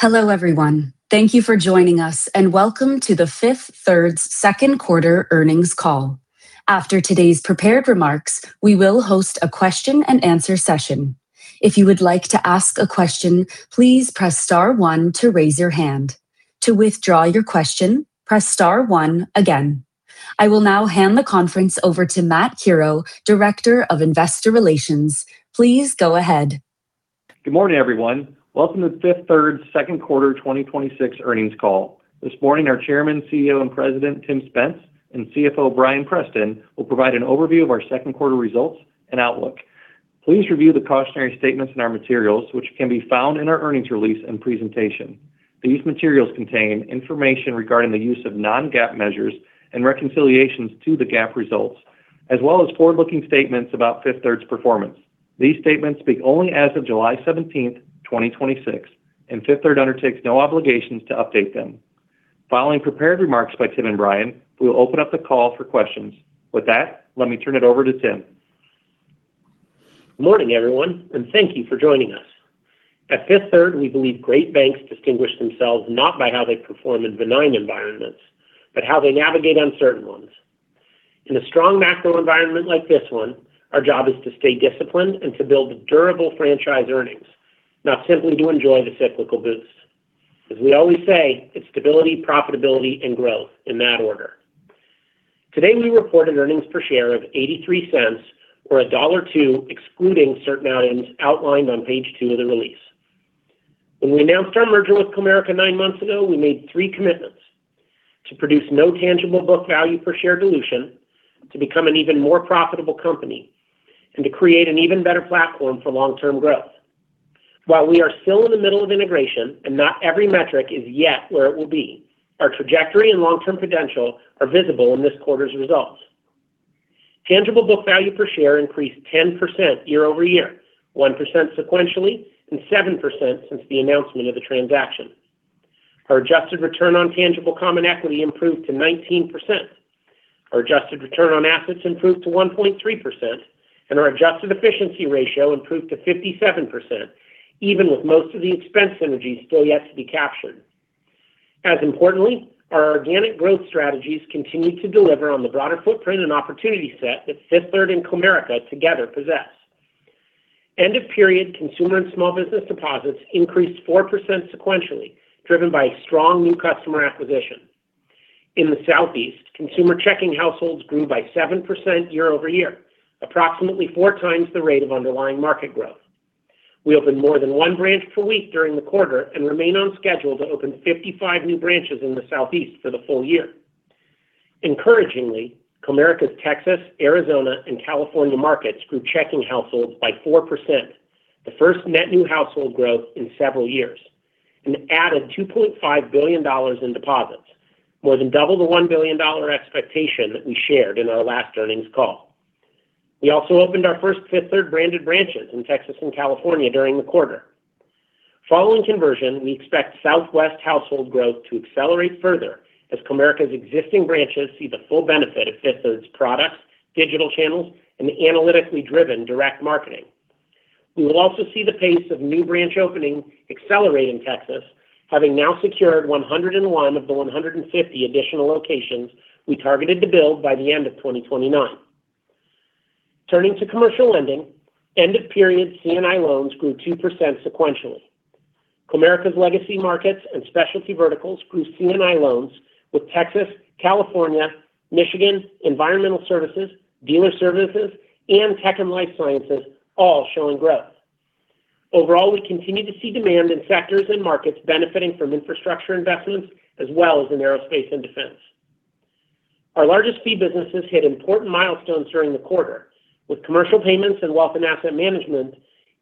Hello, everyone. Thank you for joining us, and welcome to Fifth Third's Second Quarter Earnings Call. After today's prepared remarks, we will host a question-and-answer session. If you would like to ask a question, please press star one to raise your hand. To withdraw your question, press star one again. I will now hand the conference over to Matt Curoe, Director of Investor Relations. Please go ahead. Good morning, everyone. Welcome to Fifth Third's second quarter 2026 earnings call. This morning, our Chairman, CEO, and President, Tim Spence, and CFO, Bryan Preston, will provide an overview of our second quarter results and outlook. Please review the cautionary statements in our materials which can be found in our earnings release and presentation. These materials contain information regarding the use of non-GAAP measures and reconciliations to the GAAP results, as well as forward-looking statements about Fifth Third's performance. These statements speak only as of July 17th, 2026, and Fifth Third undertakes no obligations to update them. Following prepared remarks by Tim and Bryan, we will open up the call for questions. With that, let me turn it over to Tim. Morning, everyone. Thank you for joining us. At Fifth Third, we believe great banks distinguish themselves not by how they perform in benign environments, but how they navigate uncertain ones. In a strong macro environment like this one, our job is to stay disciplined and to build durable franchise earnings, not simply to enjoy the cyclical boosts. As we always say, it's stability, profitability and growth in that order. Today, we reported earnings per share of $0.83 or $1.02 excluding certain items outlined on page two of the release. When we announced our merger with Comerica nine months ago, we made three commitments, to produce no tangible book value per share dilution, to become an even more profitable company, and to create an even better platform for long-term growth. While we are still in the middle of integration and not every metric is yet where it will be, our trajectory and long-term potential are visible in this quarter's results. Tangible book value per share increased 10% year-over-year, 1% sequentially, and 7% since the announcement of the transaction. Our adjusted return on tangible common equity improved to 19%. Our adjusted return on assets improved to 1.3%, and our adjusted efficiency ratio improved to 57%, even with most of the expense synergies still yet to be captured. As importantly, our organic growth strategies continue to deliver on the broader footprint and opportunity set that Fifth Third and Comerica together possess. End of period consumer and small business deposits increased 4% sequentially, driven by strong new customer acquisition. In the Southeast, consumer checking households grew by 7% year-over-year, approximately 4x the rate of underlying market growth. We opened more than one branch per week during the quarter and remain on schedule to open 55 new branches in the Southeast for the full year. Encouragingly, Comerica's Texas, Arizona, and California markets grew checking households by 4%, the first net new household growth in several years, and added $2.5 billion in deposits, more than double the $1 billion expectation that we shared in our last earnings call. We also opened our first Fifth Third-branded branches in Texas and California during the quarter. Following conversion, we expect Southwest household growth to accelerate further as Comerica's existing branches see the full benefit of Fifth Third's products, digital channels, and analytically driven direct marketing. We will also see the pace of new branch openings accelerate in Texas, having now secured 101 of the 150 additional locations we targeted to build by the end of 2029. Turning to commercial lending, end of period C&I loans grew 2% sequentially. Comerica's legacy markets and specialty verticals grew C&I loans with Texas, California, Michigan, environmental services, dealer services, and tech and life sciences all showing growth. Our largest fee businesses hit important milestones during the quarter with commercial payments and wealth and asset management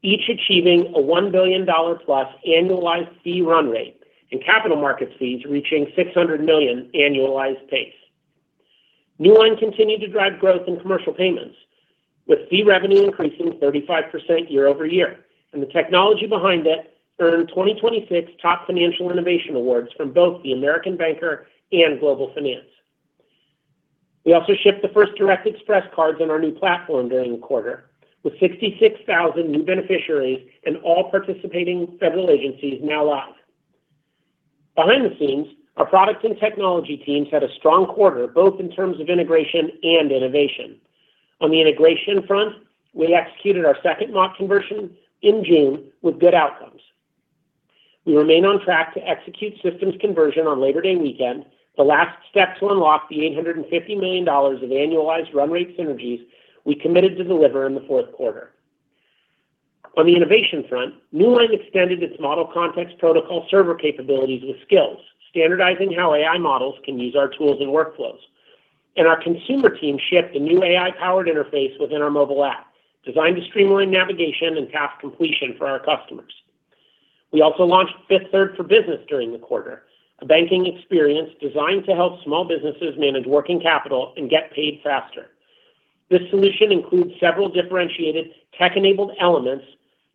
each achieving a $1 billion+ annualized fee run rate and capital markets fees reaching $600 million annualized pace. Newline continued to drive growth in commercial payments, with fee revenue increasing 35% year-over-year, and the technology behind it earned 2026 top financial innovation awards from both the American Banker and Global Finance. We also shipped the first Direct Express cards on our new platform during the quarter, with 66,000 new beneficiaries and all participating federal agencies now live. Behind the scenes, our product and technology teams had a strong quarter, both in terms of integration and innovation. On the integration front, we executed our second mock conversion in June with good outcomes. We remain on track to execute systems conversion on Labor Day weekend, the last step to unlock the $850 million of annualized run rate synergies we committed to deliver in the fourth quarter. On the innovation front, Newline extended its Model Context Protocol server capabilities with Skills, standardizing how AI models can use our tools and workflows. Our consumer team shipped a new AI-powered interface within our mobile app designed to streamline navigation and task completion for our customers. We also launched Fifth Third for Business during the quarter, a banking experience designed to help small businesses manage working capital and get paid faster. This solution includes several differentiated tech-enabled elements,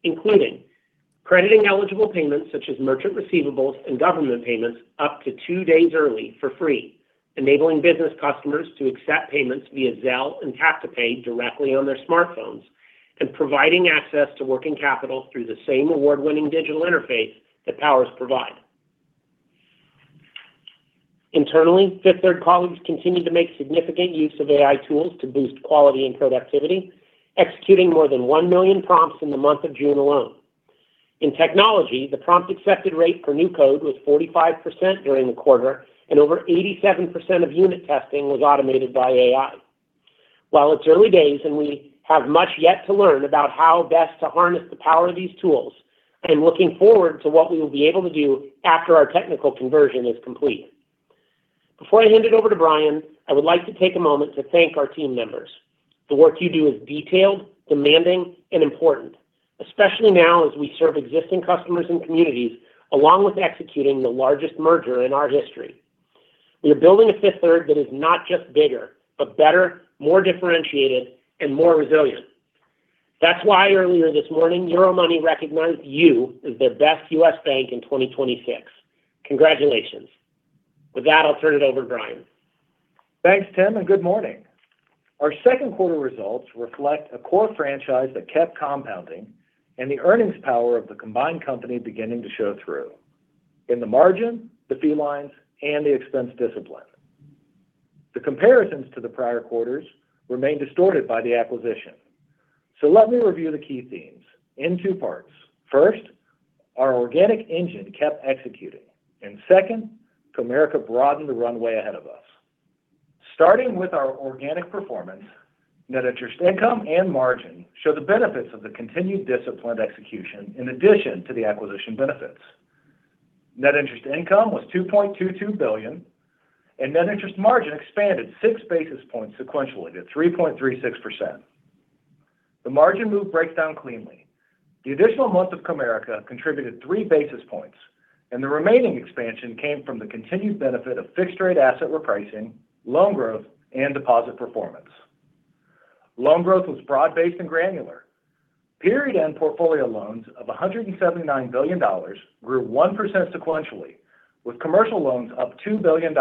including crediting eligible payments such as merchant receivables and government payments up to two days early for free, enabling business customers to accept payments via Zelle and tap-to-pay directly on their smartphones providing access to working capital through the same award-winning digital interface that powers Provide. Internally, Fifth Third colleagues continued to make significant use of AI tools to boost quality and productivity, executing more than 1 million prompts in the month of June alone. In technology, the prompt accepted rate for new code was 45% during the quarter, and over 87% of unit testing was automated by AI. While it's early days and we have much yet to learn about how best to harness the power of these tools, I'm looking forward to what we will be able to do after our technical conversion is complete. Before I hand it over to Bryan, I would like to take a moment to thank our team members. The work you do is detailed, demanding, and important, especially now as we serve existing customers and communities, along with executing the largest merger in our history. We are building a Fifth Third that is not just bigger, but better, more differentiated, and more resilient. That's why earlier this morning, Euromoney recognized you as the best U.S. bank in 2026. Congratulations. With that, I'll turn it over to Bryan. Thanks, Tim, and good morning. Our second quarter results reflect a core franchise that kept compounding and the earnings power of the combined company beginning to show through in the margin, the fee lines, and the expense discipline. The comparisons to the prior quarters remain distorted by the acquisition. Let me review the key themes in two parts. First, our organic engine kept executing, and second, Comerica broadened the runway ahead of us. Starting with our organic performance, net interest income and margin show the benefits of the continued disciplined execution in addition to the acquisition benefits. Net interest income was $2.22 billion, and net interest margin expanded 6 basis points sequentially to 3.36%. The margin move breaks down cleanly. The additional month of Comerica contributed 3 basis points, and the remaining expansion came from the continued benefit of fixed-rate asset repricing, loan growth, and deposit performance. Loan growth was broad-based and granular. Period-end portfolio loans of $179 billion grew 1% sequentially, with commercial loans up $2 billion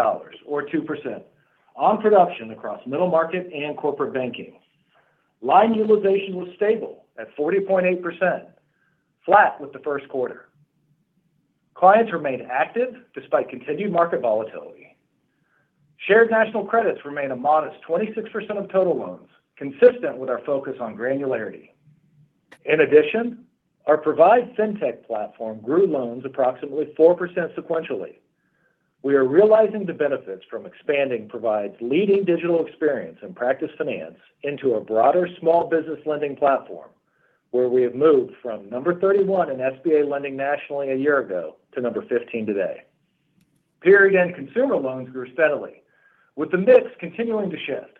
or 2% on production across middle market and corporate banking. Line utilization was stable at 40.8%, flat with the first quarter. Clients remained active despite continued market volatility. Shared national credits remain a modest 26% of total loans, consistent with our focus on granularity. In addition, our Provide fintech platform grew loans approximately 4% sequentially. We are realizing the benefits from expanding Provide's leading digital experience in practice finance into a broader small business lending platform, where we have moved from number 31 in SBA lending nationally a year ago to number 15 today. Period-end consumer loans grew steadily, with the mix continuing to shift.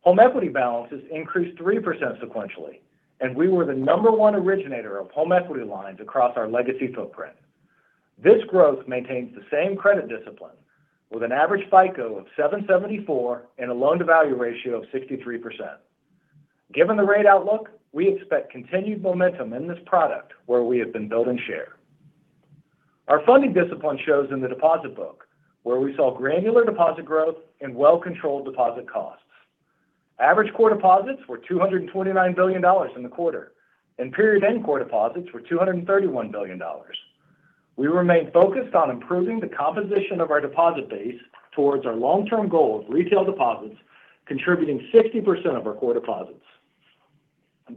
Home equity balances increased 3% sequentially, and we were the number one originator of home equity lines across our legacy footprint. This growth maintains the same credit discipline, with an average FICO of 774 and a loan-to-value ratio of 63%. Given the rate outlook, we expect continued momentum in this product where we have been building share. Our funding discipline shows in the deposit book where we saw granular deposit growth and well-controlled deposit costs. Average core deposits were $229 billion in the quarter, and period-end core deposits were $231 billion. We remain focused on improving the composition of our deposit base towards our long-term goal of retail deposits contributing 60% of our core deposits.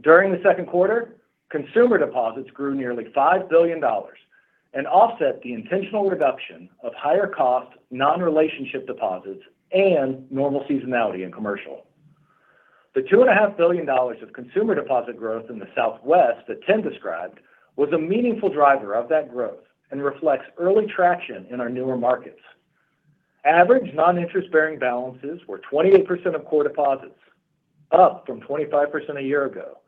During the second quarter, consumer deposits grew nearly $5 billion and offset the intentional reduction of higher cost non-relationship deposits and normal seasonality in commercial. The $2.5 billion of consumer deposit growth in the Southwest that Tim described was a meaningful driver of that growth and reflects early traction in our newer markets. Average non-interest-bearing balances were 28% of core deposits, up from 25% a year ago,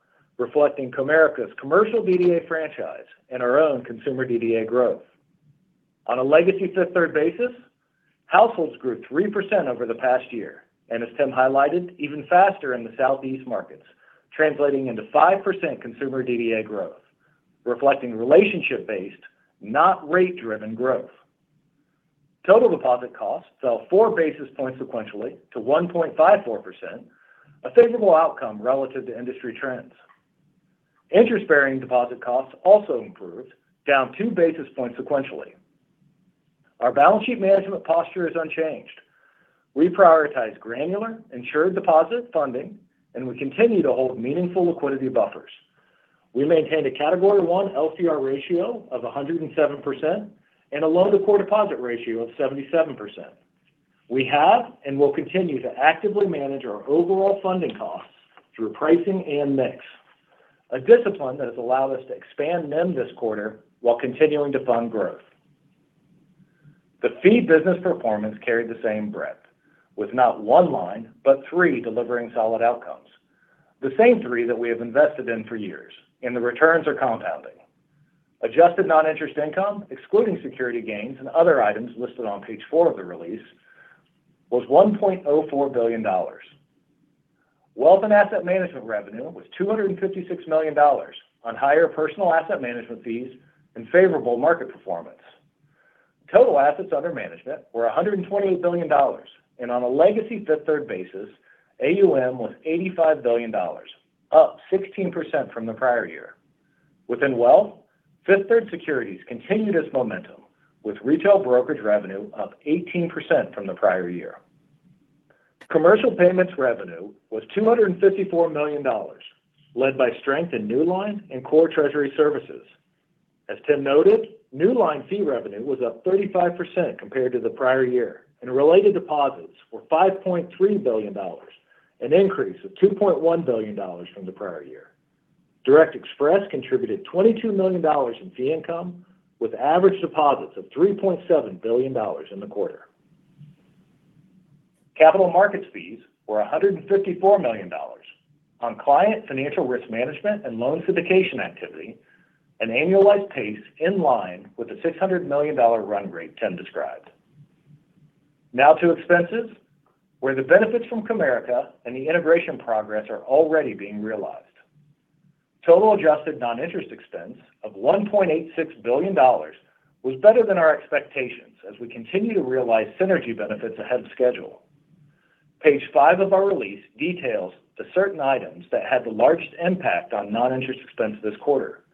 reflecting Comerica's commercial DDA franchise and our own consumer DDA growth. On a legacy Fifth Third basis, households grew 3% over the past year and, as Tim highlighted, even faster in the Southeast markets, translating into 5% consumer DDA growth, reflecting relationship-based, not rate-driven growth. Total deposit costs fell 4 basis points sequentially to 1.54%, a favorable outcome relative to industry trends. Interest-bearing deposit costs also improved, down 2 basis points sequentially. Our balance sheet management posture is unchanged. We prioritize granular insured deposit funding, and we continue to hold meaningful liquidity buffers. We maintained a Category 1 LCR ratio of 107% and a loan-to-core deposit ratio of 77%. We have and will continue to actively manage our overall funding costs through pricing and mix, a discipline that has allowed us to expand NIM this quarter while continuing to fund growth. The fee business performance carried the same breadth with not one line, but three delivering solid outcomes. The same three that we have invested in for years, and the returns are compounding. Adjusted non-interest income, excluding security gains and other items listed on page four of the release, was $1.04 billion. Wealth and Asset Management revenue was $256 million on higher personal asset management fees and favorable market performance. Total assets under management were $128 billion. On a legacy Fifth Third basis, AUM was $85 billion, up 16% from the prior year. Within Wealth, Fifth Third Securities continued its momentum with retail brokerage revenue up 18% from the prior year. Commercial payments revenue was $254 million, led by strength in Newline and core treasury services. As Tim noted, Newline fee revenue was up 35% compared to the prior year, and related deposits were $5.3 billion, an increase of $2.1 billion from the prior year. Direct Express contributed $22 million in fee income with average deposits of $3.7 billion in the quarter. Capital markets fees were $154 million on client financial risk management and loan syndication activity, an annualized pace in line with the $600 million run rate Tim described. Now to expenses, where the benefits from Comerica and the integration progress are already being realized. Total adjusted non-interest expense of $1.86 billion was better than our expectations as we continue to realize synergy benefits ahead of schedule. Page five of our release details the certain items that had the largest impact on non-interest expense this quarter.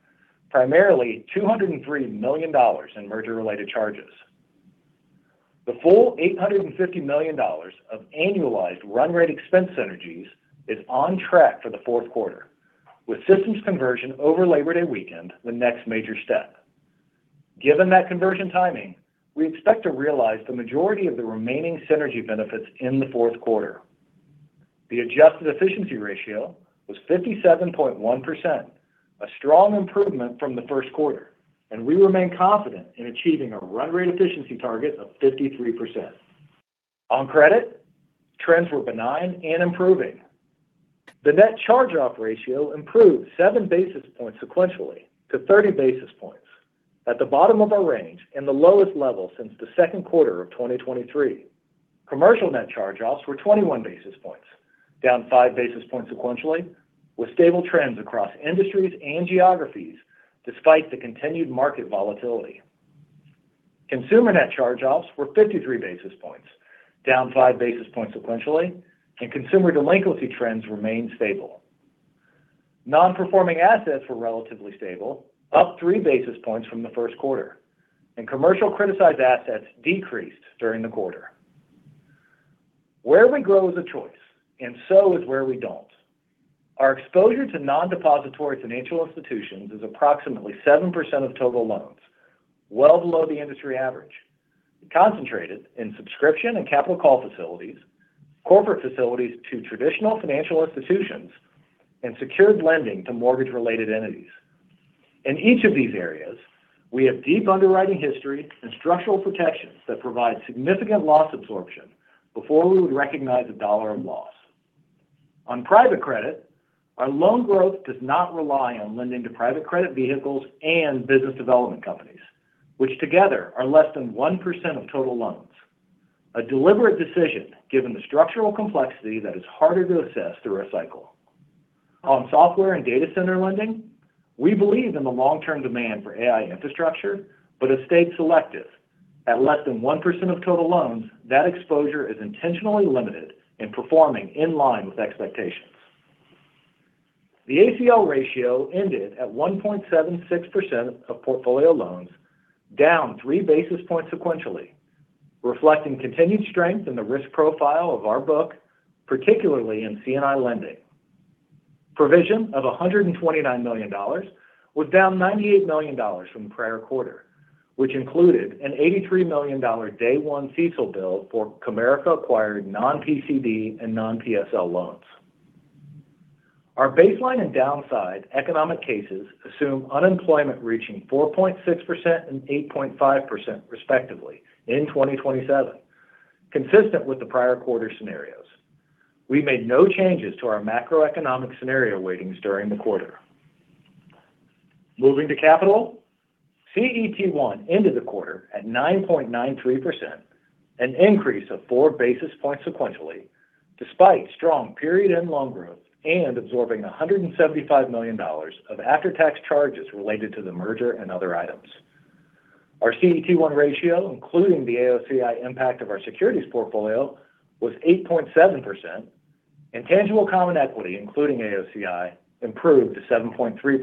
Primarily, $203 million in merger-related charges. The full $850 million of annualized run rate expense synergies is on track for the fourth quarter with systems conversion over Labor Day weekend the next major step. Given that conversion timing, we expect to realize the majority of the remaining synergy benefits in the fourth quarter. The adjusted efficiency ratio was 57.1%, a strong improvement from the first quarter, and we remain confident in achieving a run rate efficiency target of 53%. On credit, trends were benign and improving. The net charge-off ratio improved 7 basis points sequentially to 30 basis points at the bottom of our range and the lowest level since the second quarter of 2023. Commercial net charge-offs were 21 basis points, down 5 basis points sequentially, with stable trends across industries and geographies despite the continued market volatility. Consumer net charge-offs were 53 basis points, down 5 basis points sequentially. Consumer delinquency trends remained stable. Non-performing assets were relatively stable, up 3 basis points from the first quarter. Commercial criticized assets decreased during the quarter. Where we grow is a choice and so is where we don't. Our exposure to non-depository financial institutions is approximately 7% of total loans, well below the industry average. Concentrated in subscription and capital call facilities, corporate facilities to traditional financial institutions, and secured lending to mortgage-related entities. In each of these areas, we have deep underwriting history and structural protections that provide significant loss absorption before we would recognize a dollar of loss. On private credit, our loan growth does not rely on lending to private credit vehicles and business development companies, which together are less than 1% of total loans. A deliberate decision given the structural complexity that is harder to assess through a cycle. On software and data center lending, we believe in the long-term demand for AI infrastructure but have stayed selective. At less than 1% of total loans, that exposure is intentionally limited and performing in line with expectations. The ACL ratio ended at 1.76% of portfolio loans, down 3 basis points sequentially, reflecting continued strength in the risk profile of our book, particularly in C&I lending. Provision of $129 million was down $98 million from the prior quarter, which included an $83 million day one CECL bill for Comerica-acquired non-PCD and non-PSL loans. Our baseline and downside economic cases assume unemployment reaching 4.6% and 8.5%, respectively, in 2027, consistent with the prior quarter scenarios. We made no changes to our macroeconomic scenario weightings during the quarter. Moving to capital, CET1 ended the quarter at 9.93%, an increase of 4 basis points sequentially, despite strong period and loan growth and absorbing $175 million of after-tax charges related to the merger and other items. Our CET1 ratio, including the AOCI impact of our securities portfolio, was 8.7%. Tangible common equity, including AOCI, improved to 7.3%.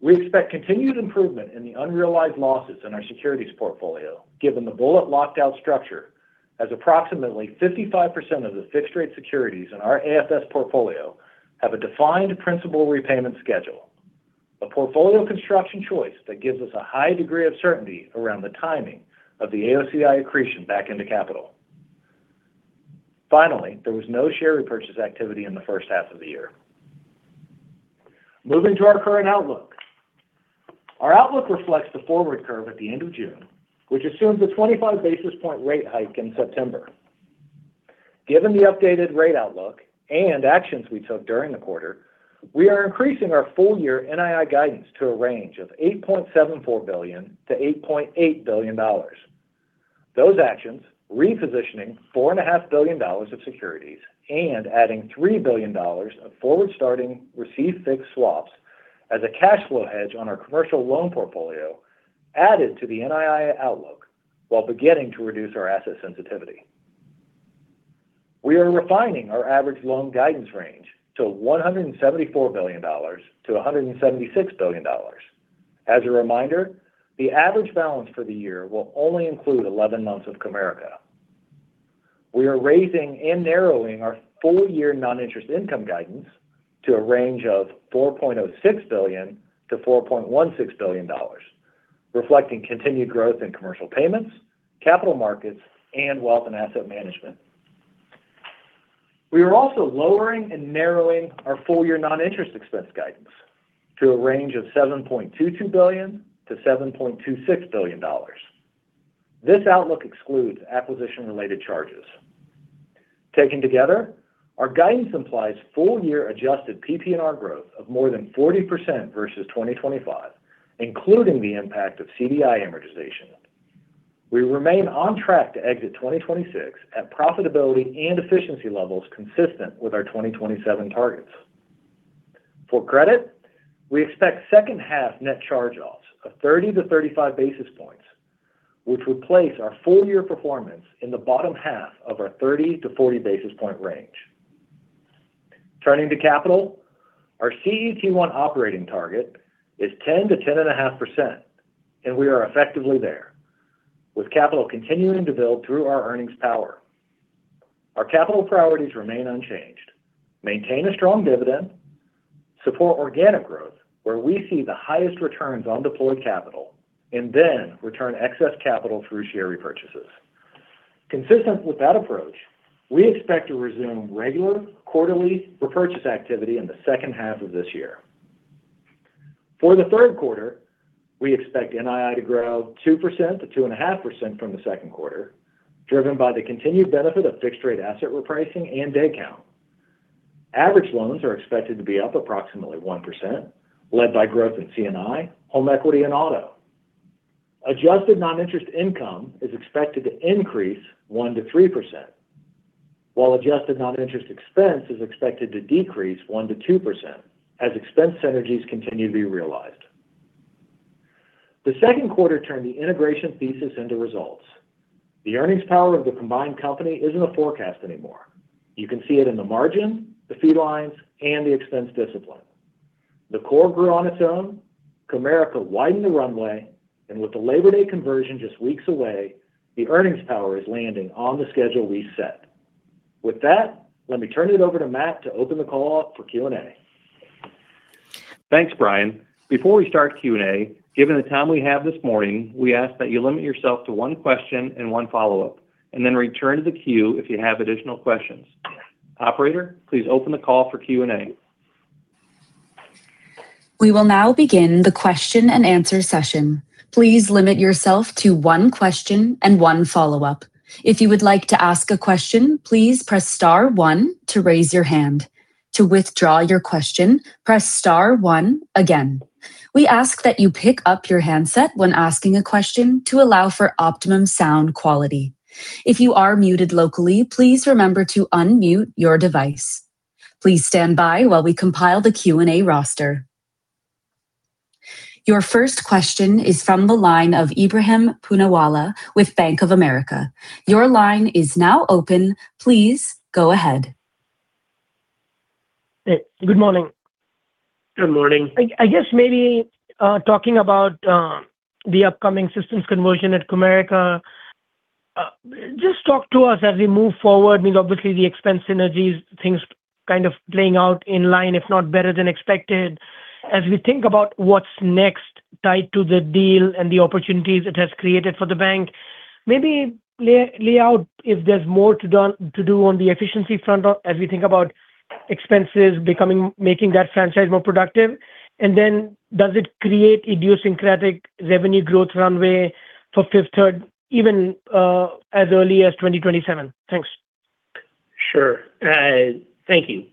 We expect continued improvement in the unrealized losses in our securities portfolio, given the bullet locked-out structure, as approximately 55% of the fixed-rate securities in our AFS portfolio have a defined principal repayment schedule. A portfolio construction choice that gives us a high degree of certainty around the timing of the AOCI accretion back into capital. There was no share repurchase activity in the first half of the year. Moving to our current outlook. Our outlook reflects the forward curve at the end of June, which assumes a 25 basis point rate hike in September. Given the updated rate outlook and actions we took during the quarter, we are increasing our full year NII guidance to a range of $8.74 billion-$8.8 billion. Those actions, repositioning $4.5 billion of securities and adding $3 billion of forward starting received fixed swaps as a cash flow hedge on our commercial loan portfolio added to the NII outlook while beginning to reduce our asset sensitivity. We are refining our average loan guidance range to $174 billion-$176 billion. As a reminder, the average balance for the year will only include 11 months of Comerica. We are raising and narrowing our full year non-interest income guidance to a range of $4.06 billion-$4.16 billion, reflecting continued growth in commercial payments, capital markets, and wealth and asset management. We are also lowering and narrowing our full year non-interest expense guidance to a range of $7.22 billion-$7.26 billion. This outlook excludes acquisition-related charges. Taken together, our guidance implies full year adjusted PPNR growth of more than 40% versus 2025, including the impact of CDI amortization. We remain on track to exit 2026 at profitability and efficiency levels consistent with our 2027 targets. For credit, we expect second half net charge-offs of 30-35 basis points, which would place our full year performance in the bottom half of our 30-40 basis points range. Turning to capital, our CET1 operating target is 10%-10.5%, and we are effectively there, with capital continuing to build through our earnings power. Our capital priorities remain unchanged. Maintain a strong dividend, support organic growth where we see the highest returns on deployed capital, then return excess capital through share repurchases. Consistent with that approach, we expect to resume regular quarterly repurchase activity in the second half of this year. For the third quarter, we expect NII to grow 2%-2.5% from the second quarter, driven by the continued benefit of fixed rate asset repricing and day count. Average loans are expected to be up approximately 1%, led by growth in C&I, home equity, and auto. Adjusted non-interest income is expected to increase 1%-3%, while adjusted non-interest expense is expected to decrease 1%-2% as expense synergies continue to be realized. The second quarter turned the integration thesis into results. The earnings power of the combined company isn't a forecast anymore. You can see it in the margin, the fee lines, and the expense discipline. The core grew on its own. Comerica widened the runway, with the Labor Day conversion just weeks away, the earnings power is landing on the schedule we set. With that, let me turn it over to Matt to open the call for Q&A. Thanks, Bryan. Before we start Q&A, given the time we have this morning, we ask that you limit yourself to one question and one follow-up, then return to the queue if you have additional questions. Operator, please open the call for Q&A. We will now begin the question-and-answer session. Please limit yourself to one question and one follow-up. If you would like to ask a question, please press star one to raise your hand. To withdraw your question, press star one again. We ask that you pick up your handset when asking a question to allow for optimum sound quality. If you are muted locally, please remember to unmute your device. Please stand by while we compile the Q&A roster. Your first question is from the line of Ebrahim Poonawala with Bank of America. Your line is now open. Please go ahead. Hey, good morning. Good morning. I guess maybe talking about the upcoming systems conversion at Comerica. Just talk to us as we move forward. Obviously, the expense synergies, things kind of playing out in line, if not better than expected. As we think about what's next tied to the deal and the opportunities it has created for the bank, maybe lay out if there's more to do on the efficiency front as we think about expenses making that franchise more productive. Does it create idiosyncratic revenue growth runway for Fifth Third, even as early as 2027? Thanks. Sure. Thank you.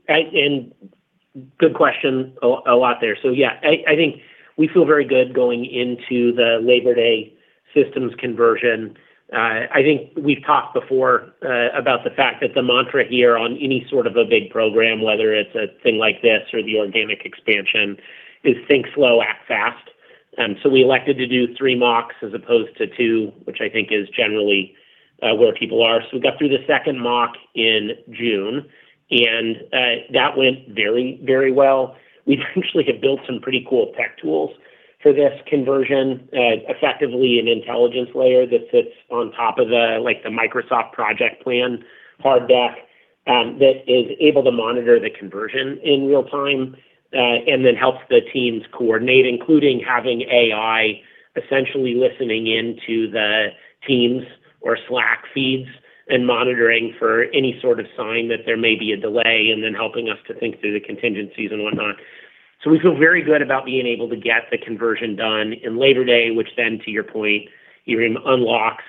Good question. A lot there. Yeah, I think we feel very good going into the Labor Day systems conversion. I think we've talked before about the fact that the mantra here on any sort of a big program, whether it's a thing like this or the organic expansion, is think slow, act fast. We elected to do three mocks as opposed to two, which I think is generally where people are. We got through the second mock in June, and that went very well. We've actually built some pretty cool tech tools for this conversion. Effectively, an intelligence layer that sits on top of the Microsoft project plan hard deck that is able to monitor the conversion in real time, and then helps the teams coordinate, including having AI essentially listening in to the Teams or Slack feeds and monitoring for any sort of sign that there may be a delay, and then helping us to think through the contingencies and whatnot. We feel very good about being able to get the conversion done in Labor Day, which then, to your point, even unlocks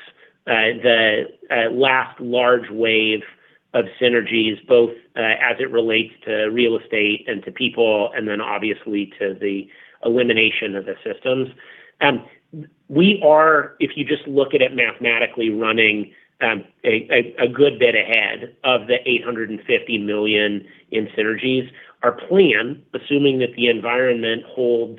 the last large wave of synergies, both as it relates to real estate and to people, and then obviously to the elimination of the systems. We are, if you just look at it mathematically, running a good bit ahead of the $850 million in synergies. Our plan, assuming that the environment holds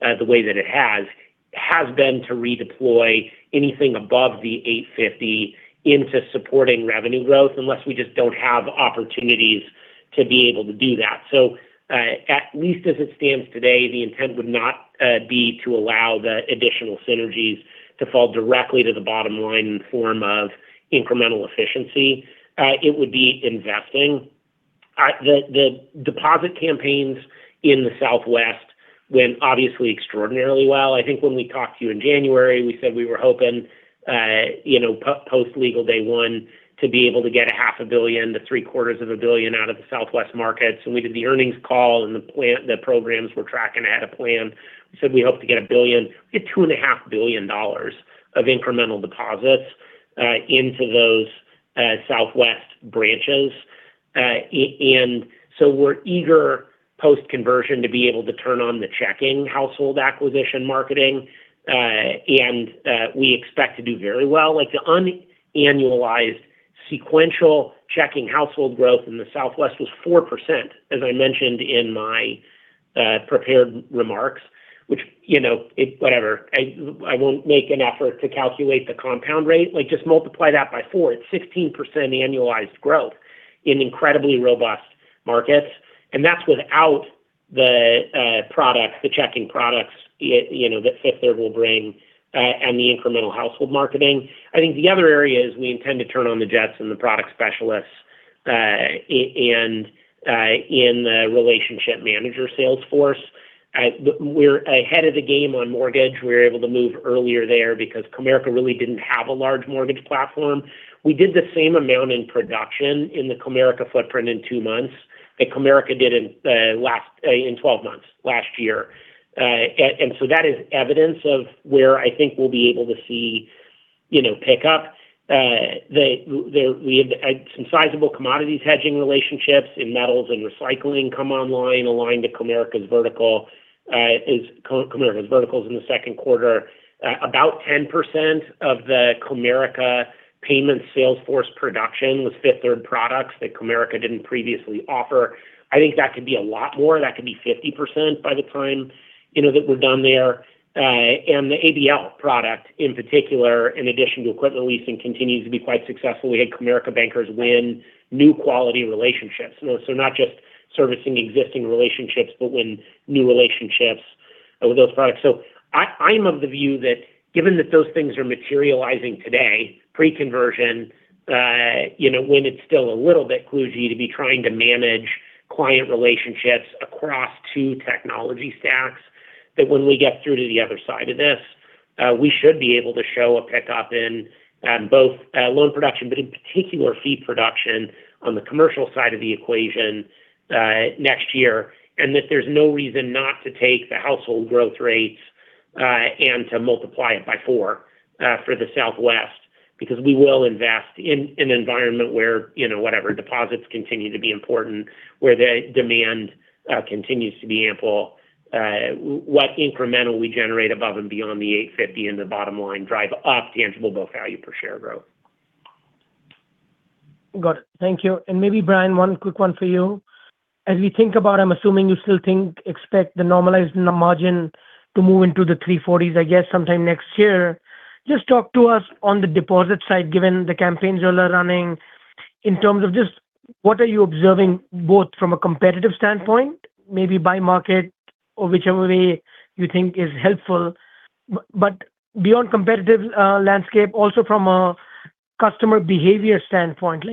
the way that it has been to redeploy anything above the $850 million into supporting revenue growth, unless we just don't have opportunities to be able to do that. At least as it stands today, the intent would not be to allow the additional synergies to fall directly to the bottom line in the form of incremental efficiency. It would be investing. The deposit campaigns in the Southwest went obviously extraordinarily well. I think when we talked to you in January, we said we were hoping post legal day one to be able to get $500 million to $750 million out of the Southwest markets. When we did the earnings call and the programs were tracking ahead of plan, we said we hope to get $1 billion-$2.5 billion of incremental deposits into those Southwest branches. We're eager post-conversion to be able to turn on the checking household acquisition marketing. We expect to do very well. The unannualized sequential checking household growth in the Southwest was 4%, as I mentioned in my prepared remarks. I won't make an effort to calculate the compound rate. Just multiply that by four. It's 16% annualized growth in incredibly robust markets, and that's without the checking products that Fifth Third will bring and the incremental household marketing. I think the other area is we intend to turn on the jets and the product specialists in the relationship manager sales force. We're ahead of the game on mortgage. We were able to move earlier there because Comerica really didn't have a large mortgage platform. We did the same amount in production in the Comerica footprint in two months that Comerica did in 12 months last year. That is evidence of where I think we'll be able to see pickup. We had some sizable commodities hedging relationships in metals and recycling come online, aligned to Comerica's verticals in the second quarter. About 10% of the Comerica payments sales force production was Fifth Third products that Comerica didn't previously offer. I think that could be a lot more. That could be 50% by the time that we're done there. The ABL product in particular, in addition to equipment leasing, continues to be quite successful. We had Comerica bankers win new quality relationships. Not just servicing existing relationships, but win new relationships with those products. I'm of the view that given that those things are materializing today, pre-conversion, when it's still a little bit kludgy to be trying to manage client relationships across two technology stacks, that when we get through to the other side of this, we should be able to show a pickup in both loan production, but in particular fee production on the commercial side of the equation next year. There's no reason not to take the household growth rates and to multiply it by four for the Southwest, because we will invest in an environment where deposits continue to be important, where the demand continues to be ample. What incremental we generate above and beyond the $850 million in the bottom line drive up tangible book value per share growth. Got it. Thank you. Maybe Bryan, one quick one for you. As we think about, I'm assuming you still expect the normalized net margin to move into the 340s, I guess, sometime next year. Just talk to us on the deposit side, given the campaigns y'all are running, in terms of just what are you observing both from a competitive standpoint, maybe by market or whichever way you think is helpful. Beyond competitive landscape, also from a customer behavior standpoint.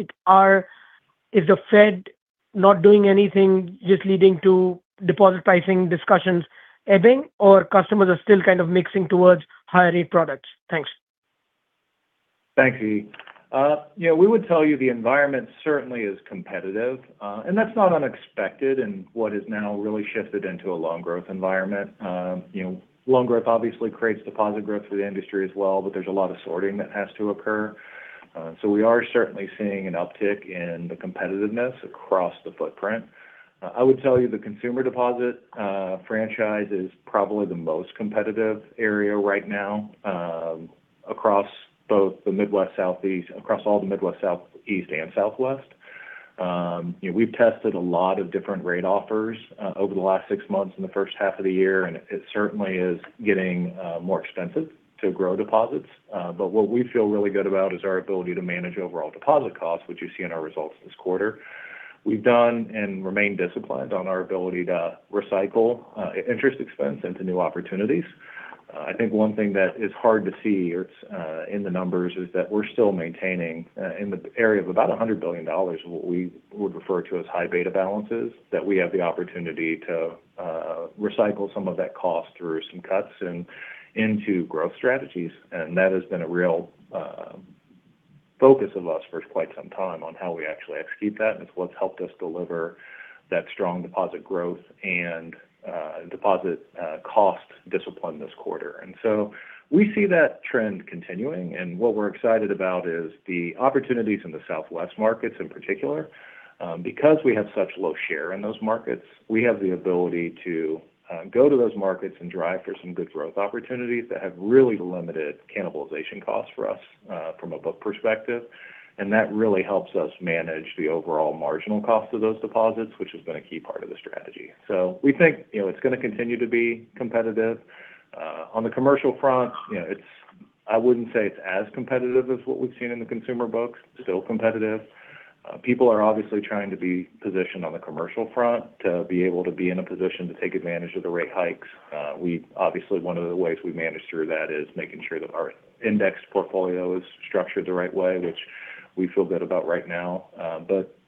Is the Fed not doing anything, just leading to deposit pricing discussions ebbing, or customers are still kind of mixing towards higher rate products? Thanks. Thanks, [Ebrahim]. We would tell you the environment certainly is competitive. That's not unexpected in what has now really shifted into a loan growth environment. Loan growth obviously creates deposit growth for the industry as well, but there's a lot of sorting that has to occur. We are certainly seeing an uptick in the competitiveness across the footprint. I would tell you the consumer deposit franchise is probably the most competitive area right now across all the Midwest, Southeast, and Southwest. We've tested a lot of different rate offers over the last six months in the first half of the year, and it certainly is getting more expensive to grow deposits. What we feel really good about is our ability to manage overall deposit costs, which you see in our results this quarter. We've done and remain disciplined on our ability to recycle interest expense into new opportunities. I think one thing that is hard to see in the numbers is that we're still maintaining in the area of about $100 billion, what we would refer to as high beta balances, that we have the opportunity to recycle some of that cost through some cuts and into growth strategies. That has been a real focus of us for quite some time on how we actually execute that, and it's what's helped us deliver that strong deposit growth and deposit cost discipline this quarter. We see that trend continuing. What we're excited about is the opportunities in the Southwest markets in particular. Because we have such low share in those markets, we have the ability to go to those markets and drive for some good growth opportunities that have really limited cannibalization costs for us from a book perspective. That really helps us manage the overall marginal cost of those deposits, which has been a key part of the strategy. We think it's going to continue to be competitive. On the commercial front, I wouldn't say it's as competitive as what we've seen in the consumer books. Still competitive. People are obviously trying to be positioned on the commercial front to be able to be in a position to take advantage of the rate hikes. Obviously, one of the ways we manage through that is making sure that our index portfolio is structured the right way, which we feel good about right now.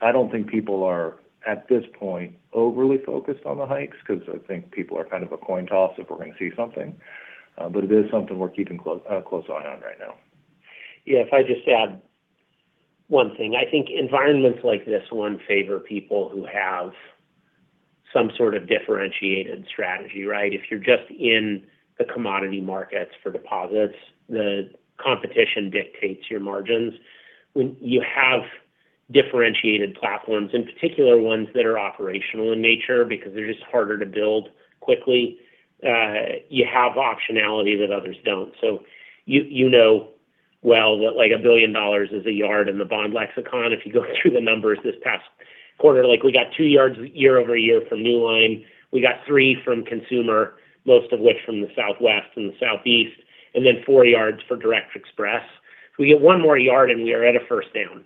I don't think people are, at this point, overly focused on the hikes because I think people are kind of a coin toss if we're going to see something. It is something we're keeping a close eye on right now. Yeah. If I just add one thing. I think environments like this one favor people who have some sort of differentiated strategy, right? If you're just in the commodity markets for deposits, the competition dictates your margins. When you have differentiated platforms, in particular ones that are operational in nature because they're just harder to build quickly, you have optionality that others don't. You know well that $1 billion is a yard in the bond lexicon. If you go through the numbers this past quarter, we got two yards year-over-year from Newline, we got three from consumer, most of which from the Southwest and the Southeast, and then four yards for Direct Express. If we get one more yard and we are at a first down.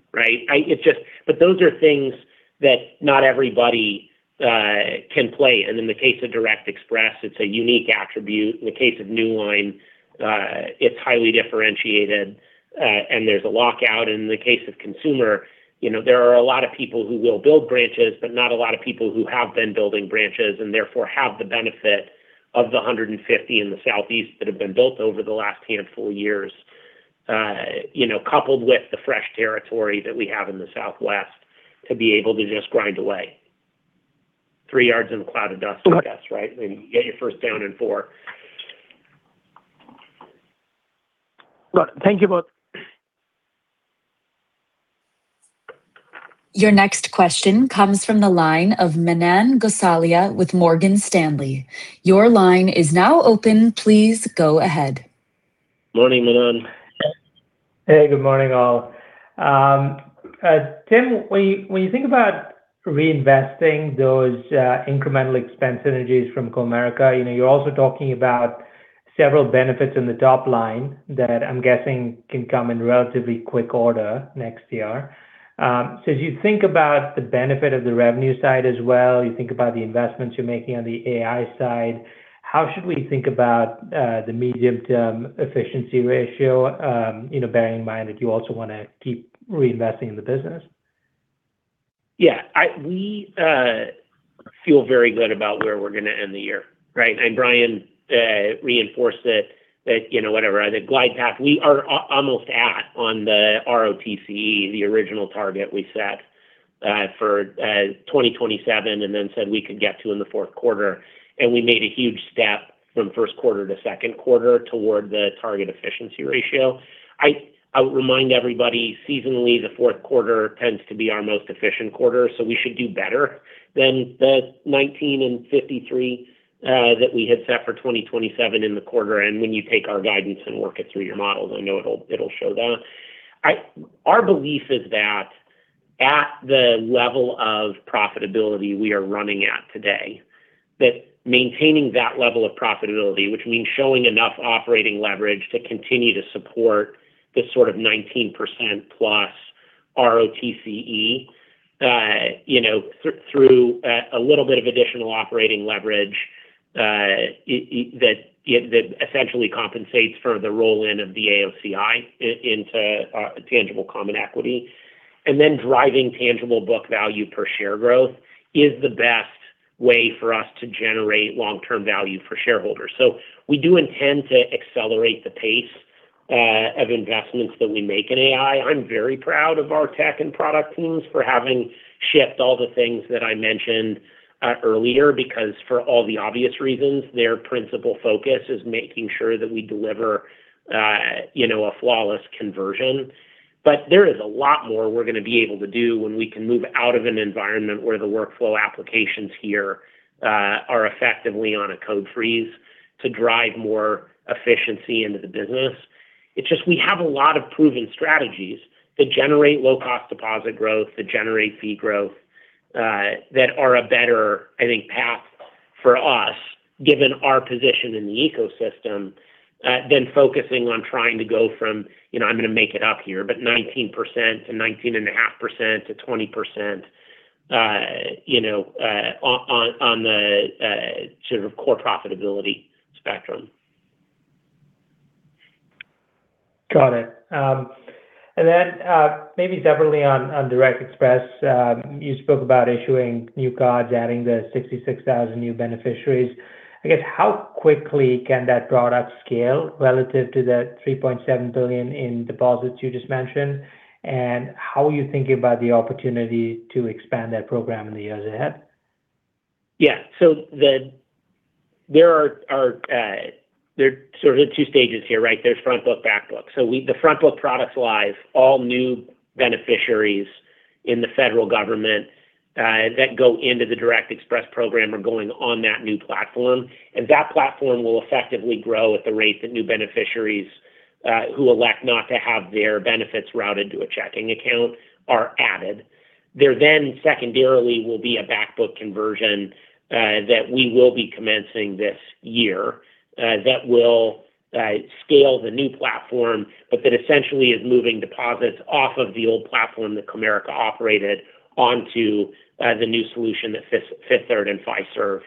Those are things that not everybody can play. In the case of Direct Express, it's a unique attribute. In the case of Newline, it's highly differentiated, and there's a lockout. In the case of consumer, there are a lot of people who will build branches, but not a lot of people who have been building branches, and therefore have the benefit of the 150 in the Southeast that have been built over the last handful years. Coupled with the fresh territory that we have in the Southwest to be able to just grind away. Three yards in a cloud of dust, I guess, right? Get your first down and four. Thank you both. Your next question comes from the line of Manan Gosalia with Morgan Stanley. Your line is now open. Please go ahead. Morning, Manan. Hey, good morning, all. Tim, when you think about reinvesting those incremental expense synergies from Comerica, you're also talking about several benefits in the top line that I'm guessing can come in relatively quick order next year. As you think about the benefit of the revenue side as well, you think about the investments you're making on the AI side, how should we think about the medium-term efficiency ratio, bearing in mind that you also want to keep reinvesting in the business? Yeah. We feel very good about where we're going to end the year. Right? Bryan reinforced it that whatever the glide path we are almost at on the ROTCE, the original target we set for 2027, then said we could get to in the fourth quarter. We made a huge step from first quarter to second quarter toward the target efficiency ratio. I would remind everybody, seasonally, the fourth quarter tends to be our most efficient quarter, so we should do better than the 19% and 53% that we had set for 2027 in the quarter. When you take our guidance and work it through your models, I know it'll show that. Our belief is that at the level of profitability we are running at today, that maintaining that level of profitability, which means showing enough operating leverage to continue to support this sort of 19%+ ROTCE through a little bit of additional operating leverage that essentially compensates for the roll-in of the AOCI into tangible common equity, then driving tangible book value per share growth is the best way for us to generate long-term value for shareholders. We do intend to accelerate the pace of investments that we make in AI. I'm very proud of our tech and product teams for having shipped all the things that I mentioned earlier, because for all the obvious reasons, their principal focus is making sure that we deliver a flawless conversion. There is a lot more we're going to be able to do when we can move out of an environment where the workflow applications here are effectively on a code freeze to drive more efficiency into the business. It's just we have a lot of proven strategies to generate low-cost deposit growth, to generate fee growth, that are a better path for us, given our position in the ecosystem, than focusing on trying to go from, I'm going to make it up here, but 19% to 19.5% to 20% on the sort of core profitability spectrum. Got it. Maybe separately on Direct Express. You spoke about issuing new cards, adding the 66,000 new beneficiaries. I guess how quickly can that product scale relative to the $3.7 billion in deposits you just mentioned? How are you thinking about the opportunity to expand that program in the years ahead? Yeah. There are two stages here, right? There's front book, back book. The front book product applies all new beneficiaries in the federal government that go into the Direct Express program are going on that new platform. That platform will effectively grow at the rate that new beneficiaries who elect not to have their benefits routed to a checking account are added. There secondarily will be a back book conversion that we will be commencing this year that will scale the new platform, but that essentially is moving deposits off of the old platform that Comerica operated onto the new solution that Fifth Third and Fiserv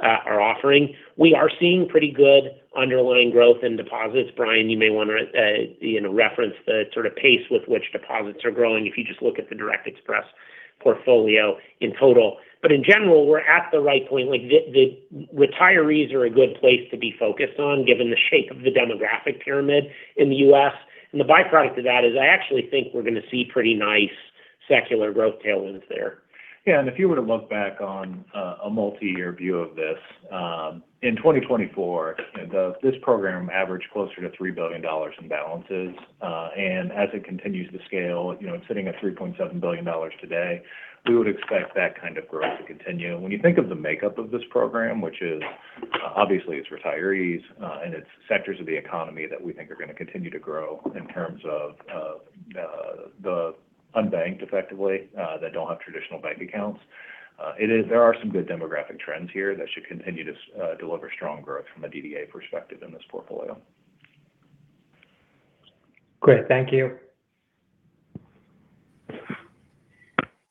are offering. We are seeing pretty good underlying growth in deposits. Bryan, you may want to reference the pace with which deposits are growing if you just look at the Direct Express portfolio in total. In general, we're at the right point. The retirees are a good place to be focused on given the shape of the demographic pyramid in the U.S. The byproduct of that is I actually think we're going to see pretty nice secular growth tailwinds there. Yeah. If you were to look back on a multi-year view of this, in 2024, this program averaged closer to $3 billion in balances. As it continues to scale, it's sitting at $3.7 billion today, we would expect that kind of growth to continue. When you think of the makeup of this program, which is obviously it's retirees, and it's sectors of the economy that we think are going to continue to grow in terms of the unbanked effectively, that don't have traditional bank accounts. There are some good demographic trends here that should continue to deliver strong growth from a DDA perspective in this portfolio. Great. Thank you.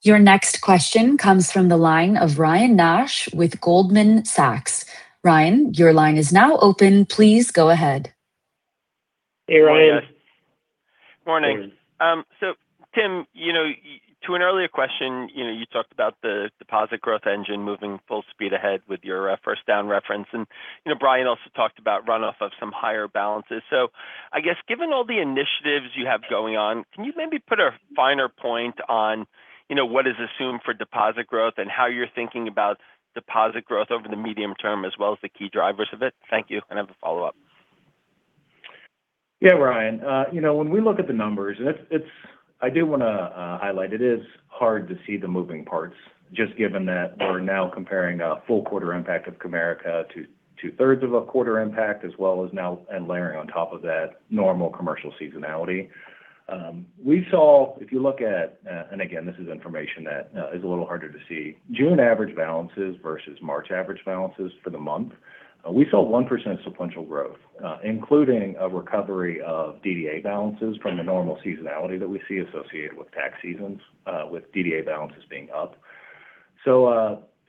Your next question comes from the line of Ryan Nash with Goldman Sachs. Ryan, your line is now open. Please go ahead. Hey, Ryan. Hey, Ryan. Morning. Tim, to an earlier question, you talked about the deposit growth engine moving full speed ahead with your first down reference. Bryan also talked about runoff of some higher balances. I guess given all the initiatives you have going on, can you maybe put a finer point on what is assumed for deposit growth and how you're thinking about deposit growth over the medium term as well as the key drivers of it? Thank you. I have a follow-up. Yeah, Ryan. When we look at the numbers, I do want to highlight it is hard to see the moving parts just given that we're now comparing a full quarter impact of Comerica to 2/3 of a quarter impact as well as now and layering on top of that normal commercial seasonality. If you look at, again, this is information that is a little harder to see, June average balances versus March average balances for the month. We saw 1% sequential growth, including a recovery of DDA balances from the normal seasonality that we see associated with tax seasons, with DDA balances being up.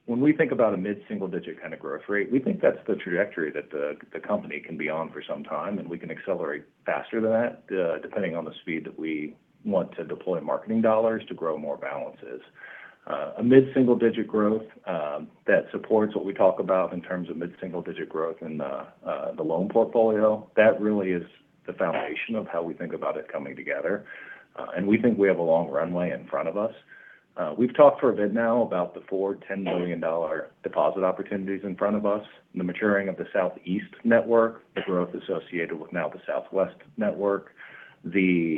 When we think about a mid-single digit kind of growth rate, we think that's the trajectory that the company can be on for some time, and we can accelerate faster than that, depending on the speed that we want to deploy marketing dollars to grow more balances. A mid-single digit growth that supports what we talk about in terms of mid-single digit growth in the loan portfolio. That really is the foundation of how we think about it coming together. We think we have a long runway in front of us. We've talked for a bit now about the four $10 million deposit opportunities in front of us, the maturing of the Southeast network, the growth associated with now the Southwest network, the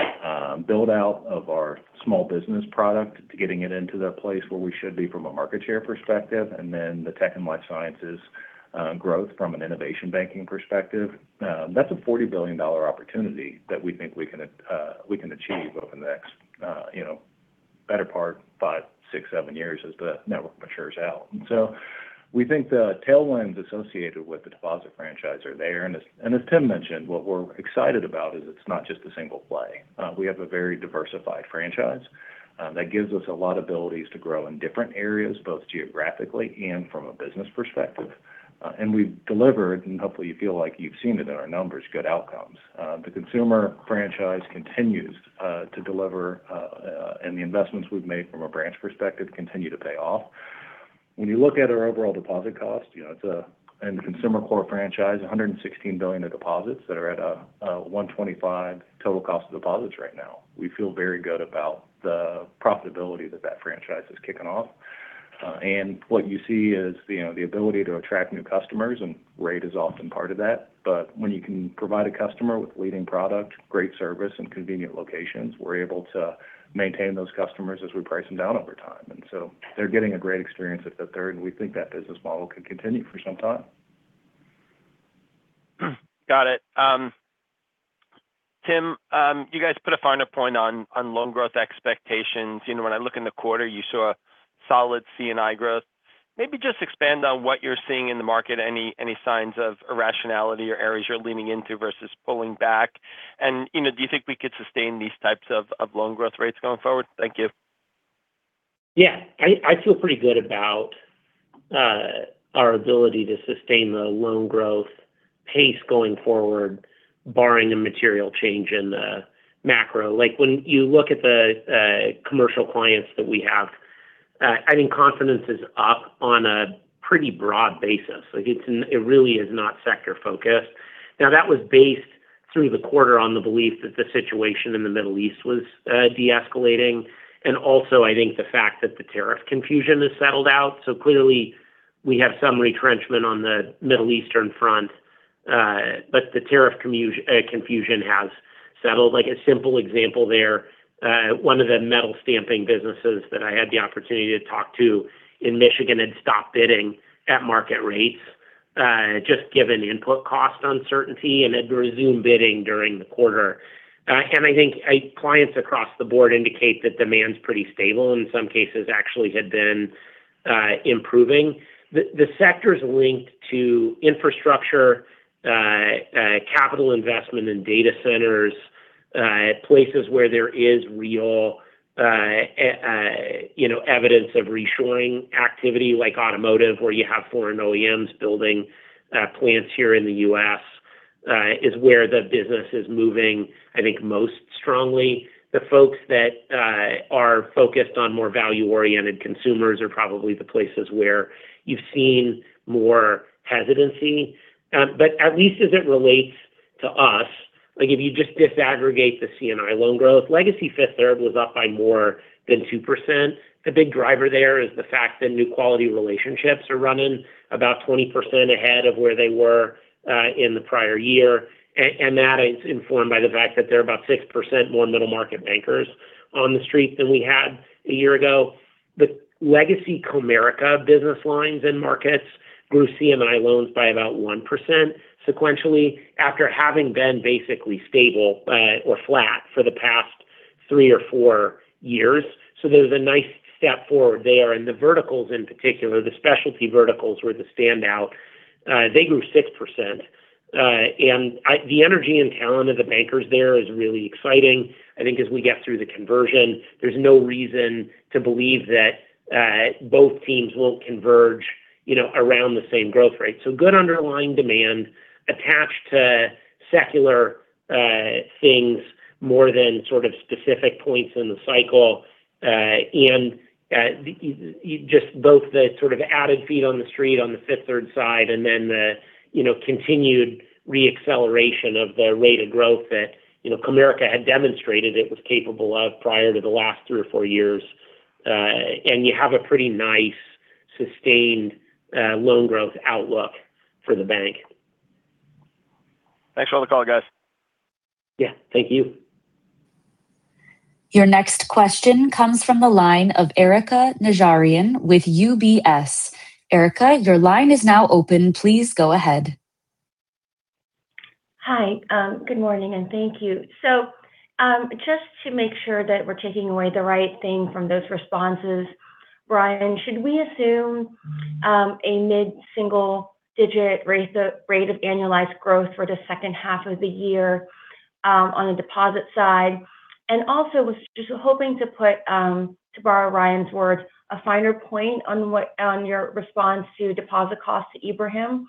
build-out of our small business product, getting it into the place where we should be from a market share perspective, the tech and life sciences growth from an innovation banking perspective. That's a $40 billion opportunity that we think we can achieve over the next better part five, six, seven years as the network matures out. We think the tailwinds associated with the deposit franchise are there. As Tim mentioned, what we're excited about is it's not just a single play. We have a very diversified franchise that gives us a lot of abilities to grow in different areas, both geographically and from a business perspective. We've delivered, hopefully you feel like you've seen it in our numbers, good outcomes. The consumer franchise continues to deliver, the investments we've made from a branch perspective continue to pay off. When you look at our overall deposit cost, consumer core franchise, $116 billion of deposits that are at a [$125 million] total cost of deposits right now. We feel very good about the profitability that franchise is kicking off. What you see is the ability to attract new customers, rate is often part of that. When you can provide a customer with leading product, great service, convenient locations, we're able to maintain those customers as we price them down over time. They're getting a great experience at Fifth Third, we think that business model could continue for some time. Got it. Tim, you guys put a finer point on loan growth expectations. When I look in the quarter, you saw solid C&I growth. Maybe just expand on what you're seeing in the market, any signs of irrationality or areas you're leaning into versus pulling back. Do you think we could sustain these types of loan growth rates going forward? Thank you. Yeah. I feel pretty good about our ability to sustain the loan growth pace going forward, barring a material change in the macro. When you look at the commercial clients that we have, I think confidence is up on a pretty broad basis. It really is not sector-focused. That was based through the quarter on the belief that the situation in the Middle East was de-escalating, also I think the fact that the tariff confusion has settled out. Clearly we have some retrenchment on the Middle Eastern front, the tariff confusion has settled. Like a simple example there, one of the metal stamping businesses that I had the opportunity to talk to in Michigan had stopped bidding at market rates just given input cost uncertainty and had resumed bidding during the quarter. I think clients across the board indicate that demand's pretty stable. In some cases actually had been improving. The sectors linked to infrastructure, capital investment in data centers, places where there is real evidence of reshoring activity like automotive where you have foreign OEMs building plants here in the U.S. is where the business is moving I think most strongly. The folks that are focused on more value-oriented consumers are probably the places where you've seen more hesitancy. At least as it relates to us, if you just disaggregate the C&I loan growth, legacy Fifth Third was up by more than 2%. The big driver there is the fact that new quality relationships are running about 20% ahead of where they were in the prior year. That is informed by the fact that there are about 6% more middle market bankers on the street than we had a year ago. The legacy Comerica business lines and markets grew C&I loans by about 1% sequentially after having been basically stable or flat for the past three or four years. There's a nice step forward there. The verticals in particular, the specialty verticals were the standout. They grew 6%. The energy and talent of the bankers there is really exciting. I think as we get through the conversion, there's no reason to believe that both teams won't converge around the same growth rate. Good underlying demand attached to secular things more than sort of specific points in the cycle. Just both the sort of added feet on the street on the Fifth Third side and then the continued re-acceleration of the rate of growth that Comerica had demonstrated it was capable of prior to the last three or four years. You have a pretty nice sustained loan growth outlook for the bank. Thanks for the color guys. Yes. Thank you. Your next question comes from the line of Erika Najarian with UBS. Erika, your line is now open. Please go ahead. Hi. Good morning and thank you. Just to make sure that we're taking away the right thing from those responses, Bryan, should we assume a mid-single digit rate of annualized growth for the second half of the year on the deposit side? Also was just hoping to put, to borrow Ryan's words, a finer point on your response to deposit costs to Ebrahim.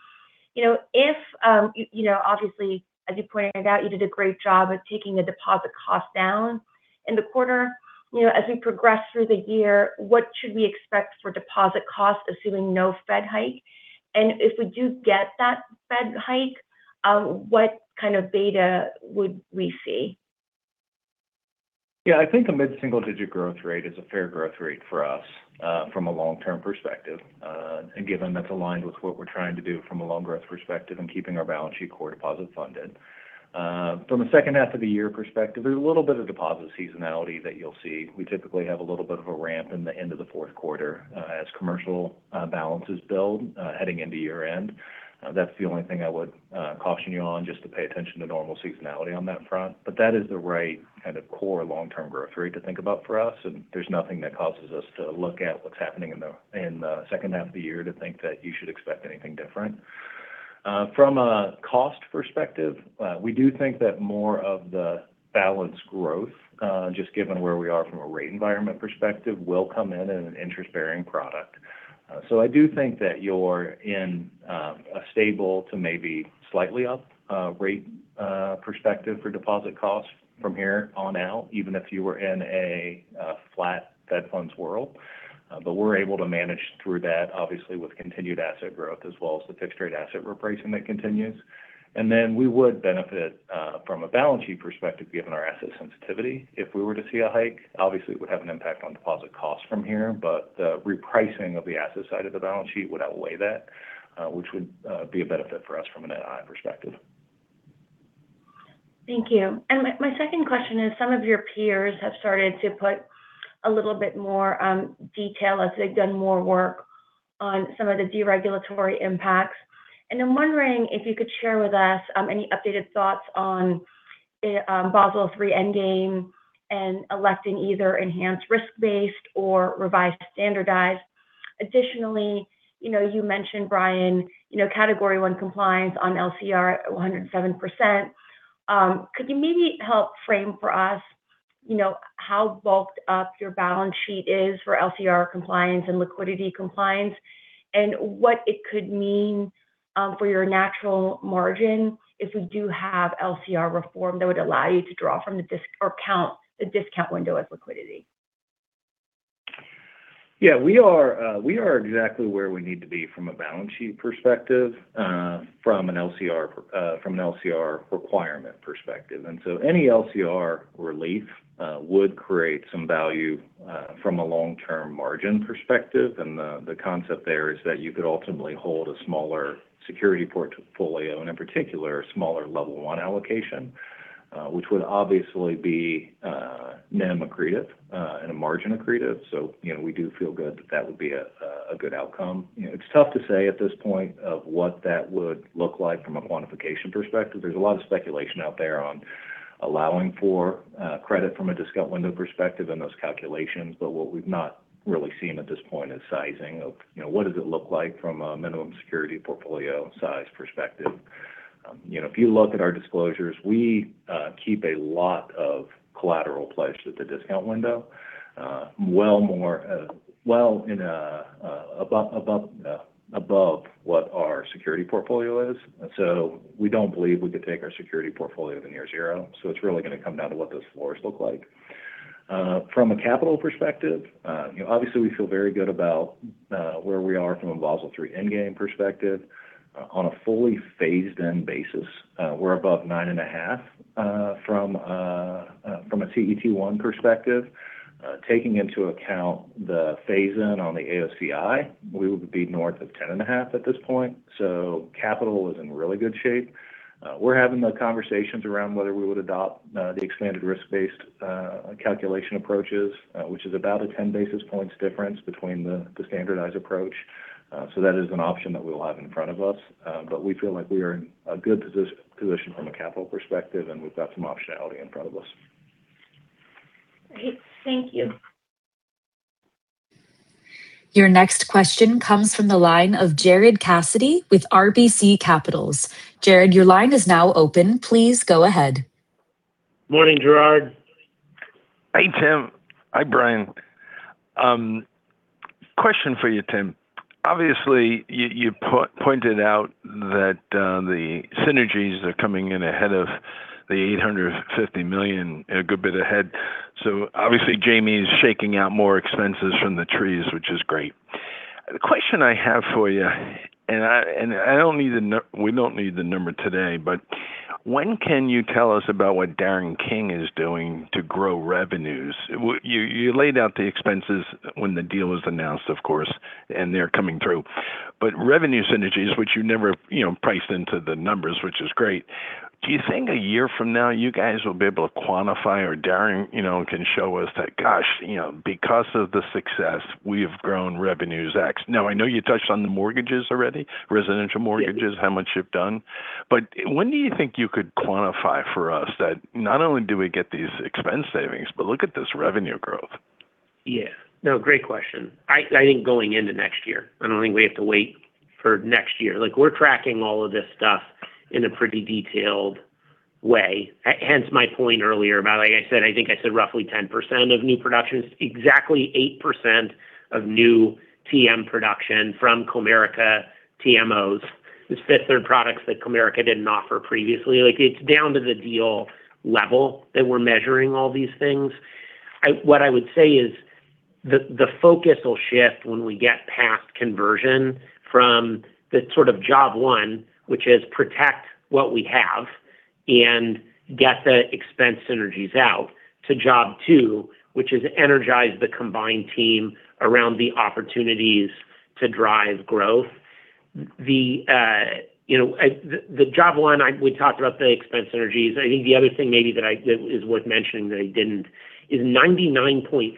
Obviously as you pointed out, you did a great job of taking the deposit cost down in the quarter. As we progress through the year, what should we expect for deposit costs assuming no Fed hike? If we do get that Fed hike, what kind of beta would we see? I think a mid-single digit growth rate is a fair growth rate for us from a long-term perspective. Given that's aligned with what we're trying to do from a loan growth perspective and keeping our balance sheet core deposit funded. From the second half of the year perspective, there's a little bit of deposit seasonality that you'll see. We typically have a little bit of a ramp in the end of the fourth quarter as commercial balances build heading into year end. That's the only thing I would caution you on just to pay attention to normal seasonality on that front. That is the right kind of core long-term growth rate to think about for us and there's nothing that causes us to look at what's happening in the second half of the year to think that you should expect anything different. From a cost perspective, we do think that more of the balance growth just given where we are from a rate environment perspective will come in in an interest-bearing product. I do think that you're in a stable to maybe slightly up rate perspective for deposit costs from here on out, even if you were in a flat Fed funds world. We're able to manage through that obviously with continued asset growth as well as the fixed rate asset repricing that continues. Then we would benefit from a balance sheet perspective given our asset sensitivity. If we were to see a hike, obviously it would have an impact on deposit costs from here, but the repricing of the asset side of the balance sheet would outweigh that which would be a benefit for us from an NII perspective. Thank you. My second question is some of your peers have started to put a little bit more detail as they've done more work on some of the deregulatory impacts. I'm wondering if you could share with us any updated thoughts on Basel III endgame and electing either enhanced risk-based or revised standardized. Additionally, you mentioned Bryan, Category 1 compliance on LCR at 107%. Could you maybe help frame for us how bulked up your balance sheet is for LCR compliance and liquidity compliance and what it could mean for your natural margin if we do have LCR reform that would allow you to draw from the discount window as liquidity? We are exactly where we need to be from a balance sheet perspective, from an LCR requirement perspective. Any LCR relief would create some value from a long-term margin perspective. The concept there is that you could ultimately hold a smaller security portfolio, and in particular, a smaller level 1 allocation, which would obviously be NIM accretive and a margin accretive. We do feel good that that would be a good outcome. It's tough to say at this point of what that would look like from a quantification perspective. There's a lot of speculation out there on allowing for credit from a discount window perspective in those calculations. What we've not really seen at this point is sizing of, what does it look like from a minimum security portfolio size perspective? If you look at our disclosures, we keep a lot of collateral pledged at the discount window well above what our security portfolio is. We don't believe we could take our security portfolio to near zero. It's really going to come down to what those floors look like. From a capital perspective, obviously we feel very good about where we are from a Basel III endgame perspective. On a fully phased-in basis, we're above 9.5% from a CET1 perspective. Taking into account the phase-in on the AOCI, we would be north of 10.5% at this point. Capital is in really good shape. We're having the conversations around whether we would adopt the expanded risk-based calculation approaches, which is about a 10 basis points difference between the standardized approach. That is an option that we'll have in front of us. We feel like we are in a good position from a capital perspective, and we've got some optionality in front of us. Great. Thank you. Your next question comes from the line of Gerard Cassidy with RBC Capital Markets. Gerard, your line is now open. Please go ahead. Morning, Gerard. Hi, Tim. Hi, Bryan. Question for you, Tim. Obviously, you pointed out that the synergies are coming in ahead of the $850 million, a good bit ahead. Obviously Jamie is shaking out more expenses from the trees, which is great. The question I have for you, and we don't need the number today, but when can you tell us about what Darren King is doing to grow revenues? You laid out the expenses when the deal was announced, of course, and they're coming through. Revenue synergies, which you never priced into the numbers, which is great. Do you think a year from now you guys will be able to quantify or Darren can show us that, gosh, because of the success, we've grown revenues X. Now, I know you touched on the mortgages already, residential mortgages how much you've done. When do you think you could quantify for us that not only do we get these expense savings, but look at this revenue growth? Yeah. No, great question. I think going into next year. I don't think we have to wait for next year. We're tracking all of this stuff in a pretty detailed way, hence my point earlier about, like I said, I think I said roughly 10% of new production is exactly 8% of new TM production from Comerica TMOs. The Fifth Third products that Comerica didn't offer previously. It's down to the deal level that we're measuring all these things. What I would say is the focus will shift when we get past conversion from the sort of job one, which is protect what we have and get the expense synergies out, to job two, which is energize the combined team around the opportunities to drive growth. The job one, we talked about the expense synergies. I think the other thing maybe that is worth mentioning that I didn't is 99.4%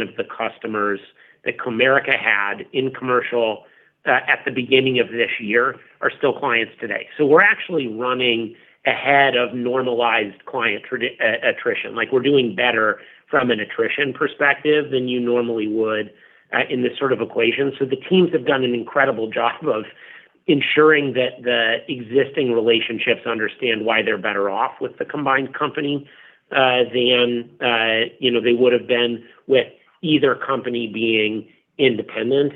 of the customers that Comerica had in commercial at the beginning of this year are still clients today. We're actually running ahead of normalized client attrition. We're doing better from an attrition perspective than you normally would in this sort of equation. The teams have done an incredible job of ensuring that the existing relationships understand why they're better off with the combined company than they would've been with either company being independent.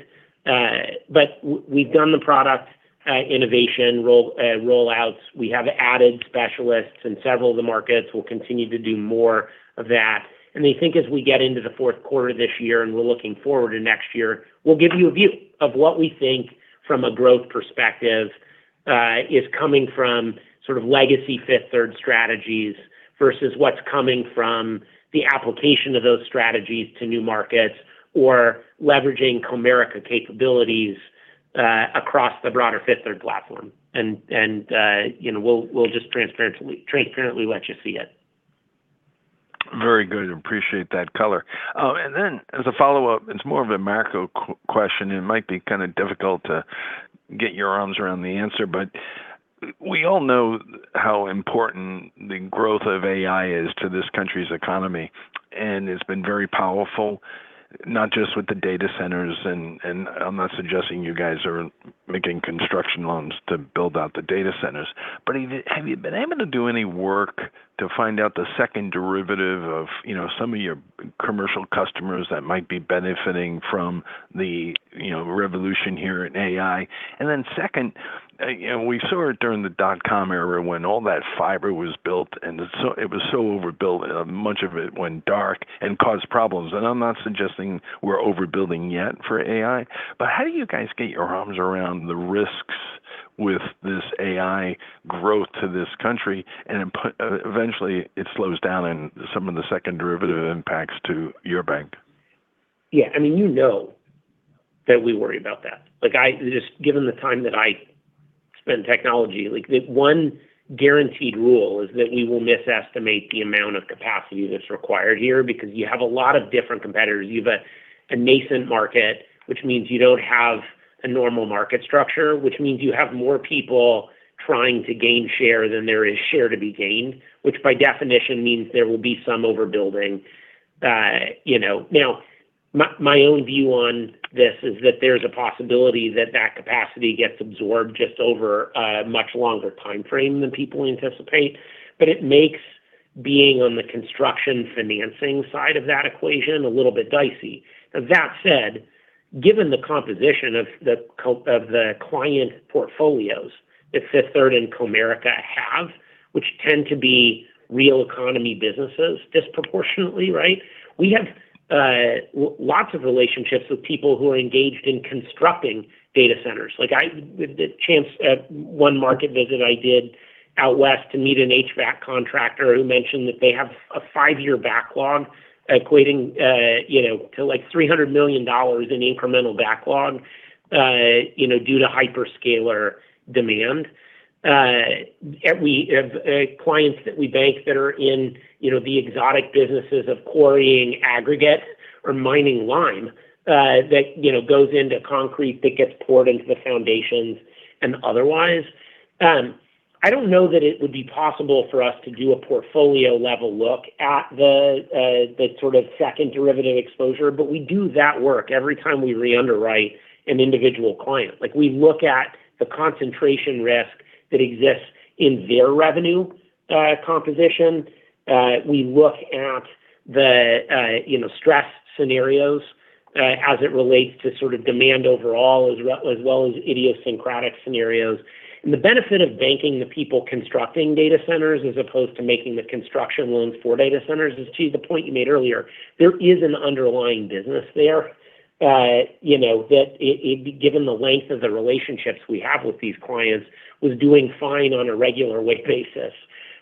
We've done the product innovation rollouts. We have added specialists in several of the markets. We'll continue to do more of that. I think as we get into the fourth quarter this year, and we're looking forward to next year, we'll give you a view of what we think from a growth perspective is coming from sort of legacy Fifth Third strategies versus what's coming from the application of those strategies to new markets or leveraging Comerica capabilities across the broader Fifth Third platform. We'll just transparently let you see it. Very good. Appreciate that color. As a follow-up, it's more of a macro question. It might be kind of difficult to get your arms around the answer, we all know how important the growth of AI is to this country's economy, and it's been very powerful, not just with the data centers. I'm not suggesting you guys are making construction loans to build out the data centers, have you been able to do any work to find out the second derivative of some of your commercial customers that might be benefiting from the revolution here in AI. Second, we saw it during the dot-com era when all that fiber was built, and it was so overbuilt. Much of it went dark and caused problems. I'm not suggesting we're overbuilding yet for AI, how do you guys get your arms around the risks with this AI growth to this country? Eventually it slows down and some of the second derivative impacts to your bank. Yeah. You know that we worry about that. Given the time that I spend technology, the one guaranteed rule is that we will misestimate the amount of capacity that's required here, because you have a lot of different competitors. You have a nascent market, which means you don't have a normal market structure, which means you have more people trying to gain share than there is share to be gained, which by definition means there will be some overbuilding. My own view on this is that there's a possibility that that capacity gets absorbed just over a much longer timeframe than people anticipate. It makes being on the construction financing side of that equation a little bit dicey. That said, given the composition of the client portfolios that Fifth Third and Comerica have, which tend to be real economy businesses disproportionately. We have lots of relationships with people who are engaged in constructing data centers. The chance at one market visit I did out West to meet an HVAC contractor who mentioned that they have a five-year backlog equating to $300 million in incremental backlog due to hyperscaler demand. We have clients that we bank that are in the exotic businesses of quarrying aggregate or mining lime that goes into concrete that gets poured into the foundations and otherwise. I don't know that it would be possible for us to do a portfolio-level look at the sort of second derivative exposure. We do that work every time we re-underwrite an individual client. We look at the concentration risk that exists in their revenue composition. We look at the stress scenarios as it relates to demand overall as well as idiosyncratic scenarios. The benefit of banking the people constructing data centers as opposed to making the construction loans for data centers is to the point you made earlier. There is an underlying business there that given the length of the relationships we have with these clients was doing fine on a regular basis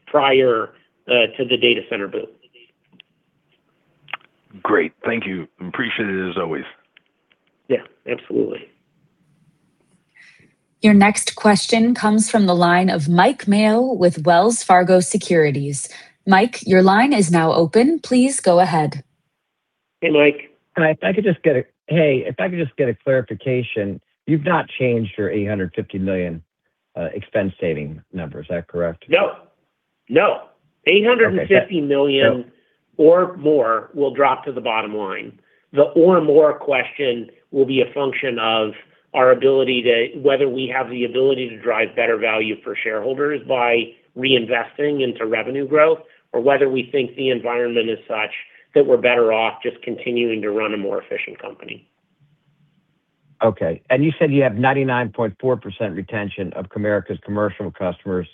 prior to the data center build. Great. Thank you. Appreciate it as always. Yeah, absolutely. Your next question comes from the line of Mike Mayo with Wells Fargo Securities. Mike, your line is now open. Please go ahead. Hey, Mike. Hey. If I could just get a clarification. You've not changed your $850 million expense saving number. Is that correct? No. Okay. $850 million or more will drop to the bottom line. The or more question will be a function of whether we have the ability to drive better value for shareholders by reinvesting into revenue growth or whether we think the environment is such that we're better off just continuing to run a more efficient company. Okay. You said you have 99.4% retention of Comerica's commercial customers.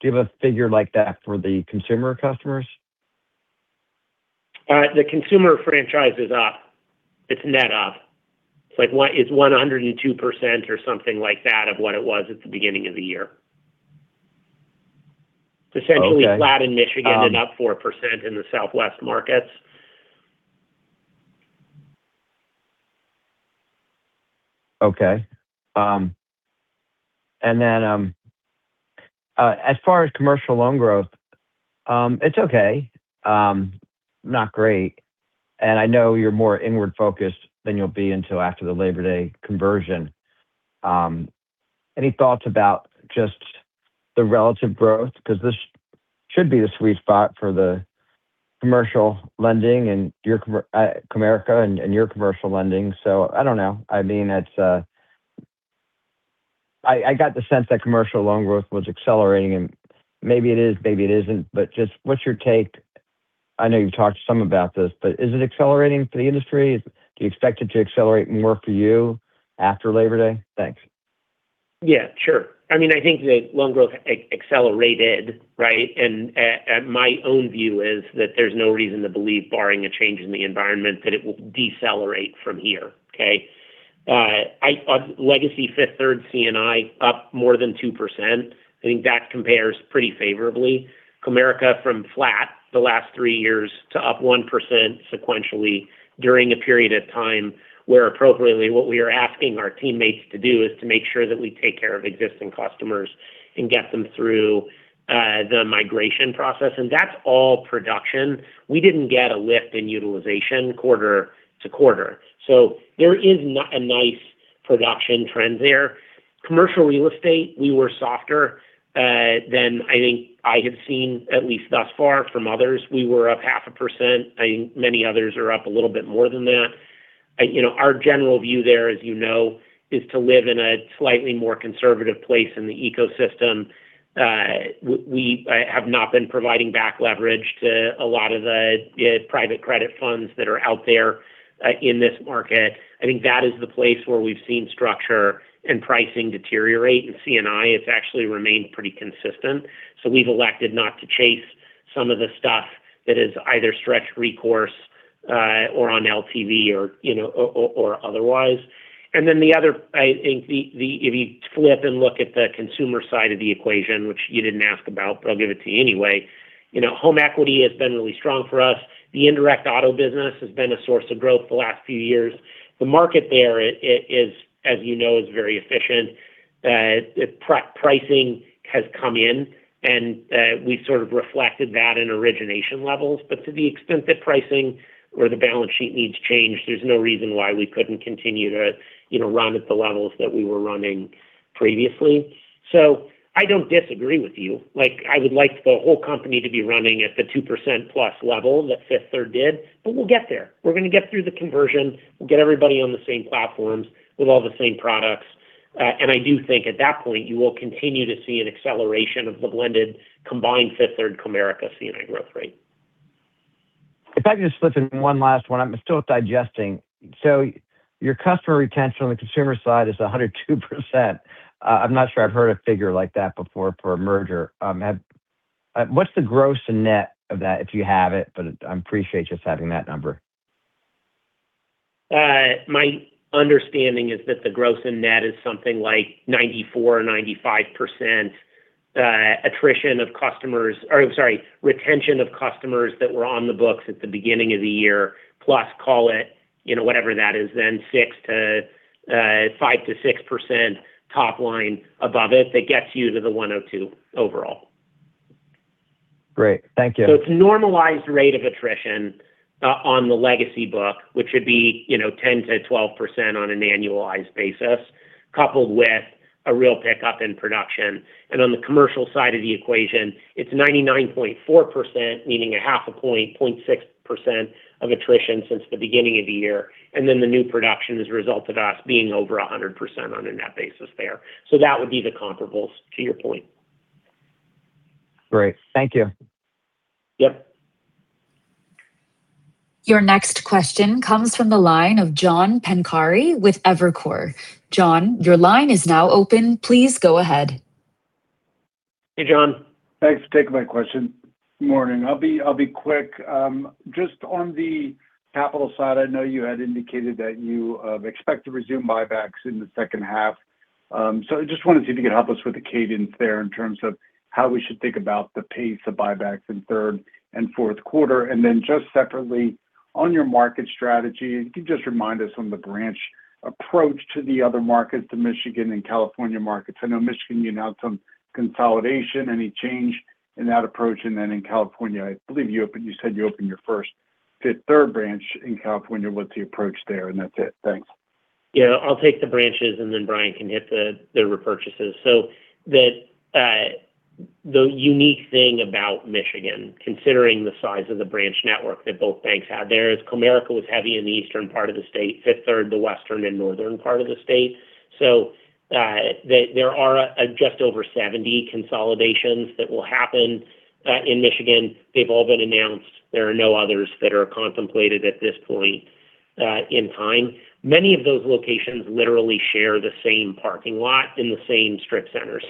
Do you have a figure like that for the consumer customers? The consumer franchise is up. It's net up. It's 102% or something like that of what it was at the beginning of the year. Okay. It's essentially flat in Michigan and up 4% in the Southwest markets. Okay. As far as commercial loan growth, it's okay, not great. I know you're more inward-focused than you'll be until after the Labor Day conversion. Any thoughts about just the relative growth? Because this should be the sweet spot for the commercial lending in Comerica and your commercial lending. I don't know. I got the sense that commercial loan growth was accelerating, and maybe it is, maybe it isn't. Just what's your take? I know you've talked some about this, but is it accelerating for the industry? Do you expect it to accelerate more for you after Labor Day? Thanks. Yeah, sure. I think that loan growth accelerated. My own view is that there's no reason to believe barring a change in the environment that it will decelerate from here. Okay? Legacy Fifth Third C&I up more than 2%. I think that compares pretty favorably. Comerica from flat the last three years to up 1% sequentially during a period of time where appropriately what we are asking our teammates to do is to make sure that we take care of existing customers and get them through the migration process. That's all production. We didn't get a lift in utilization quarter-to-quarter. There is a nice production trend there. Commercial real estate, we were softer than I think I have seen at least thus far from others. We were up 0.5%. I think many others are up a little bit more than that. Our general view there, as you know, is to live in a slightly more conservative place in the ecosystem. We have not been providing back leverage to a lot of the private credit funds that are out there in this market. I think that is the place where we've seen structure and pricing deteriorate. In C&I, it's actually remained pretty consistent. We've elected not to chase some of the stuff that is either stretched recourse or on LTV or otherwise. The other, I think if you flip and look at the consumer side of the equation, which you didn't ask about, but I'll give it to you anyway. Home equity has been really strong for us. The indirect auto business has been a source of growth for the last few years. The market there is, as you know, is very efficient. Pricing has come in, we sort of reflected that in origination levels. To the extent that pricing or the balance sheet needs change, there's no reason why we couldn't continue to run at the levels that we were running previously. I don't disagree with you. I would like the whole company to be running at the 2%+ level that Fifth Third did, we'll get there. We're going to get through the conversion. We'll get everybody on the same platforms with all the same products. I do think at that point, you will continue to see an acceleration of the blended combined Fifth Third Comerica C&I growth rate. If I can just slip in one last one. I'm still digesting. Your customer retention on the consumer side is 102%. I'm not sure I've heard a figure like that before for a merger. What's the gross and net of that, if you have it? I appreciate just having that number. My understanding is that the gross and net is something like 94% or 95% retention of customers that were on the books at the beginning of the year plus call it whatever that is, then 5%-6% top line above it. That gets you to the 102% overall. Great. Thank you. It's normalized rate of attrition on the legacy book, which would be 10%-12% on an annualized basis, coupled with a real pickup in production. On the commercial side of the equation, it's 99.4%, meaning 0.6% of attrition since the beginning of the year. The new production is a result of us being over 100% on a net basis there. That would be the comparables to your point. Great. Thank you. Yes. Your next question comes from the line of John Pancari with Evercore. John, your line is now open. Please go ahead. Hey, John. Thanks for taking my question. Morning. I'll be quick. Just on the capital side, I know you had indicated that you expect to resume buybacks in the second half. I just wanted to see if you could help us with the cadence there in terms of how we should think about the pace of buybacks in third and fourth quarter. Just separately on your market strategy, if you could just remind us on the branch approach to the other markets, the Michigan and California markets. I know Michigan, you announced some consolidation. Any change in that approach? In California, I believe you said you opened your first Fifth Third branch in California. What's the approach there? That's it. Thanks. Yeah, I'll take the branches, and then Bryan can hit the repurchases. The unique thing about Michigan, considering the size of the branch network that both banks had there, is Comerica was heavy in the eastern part of the state, Fifth Third, the western and northern part of the state. There are just over 70 consolidations that will happen in Michigan. They've all been announced. There are no others that are contemplated at this point in time. Many of those locations literally share the same parking lot in the same strip center.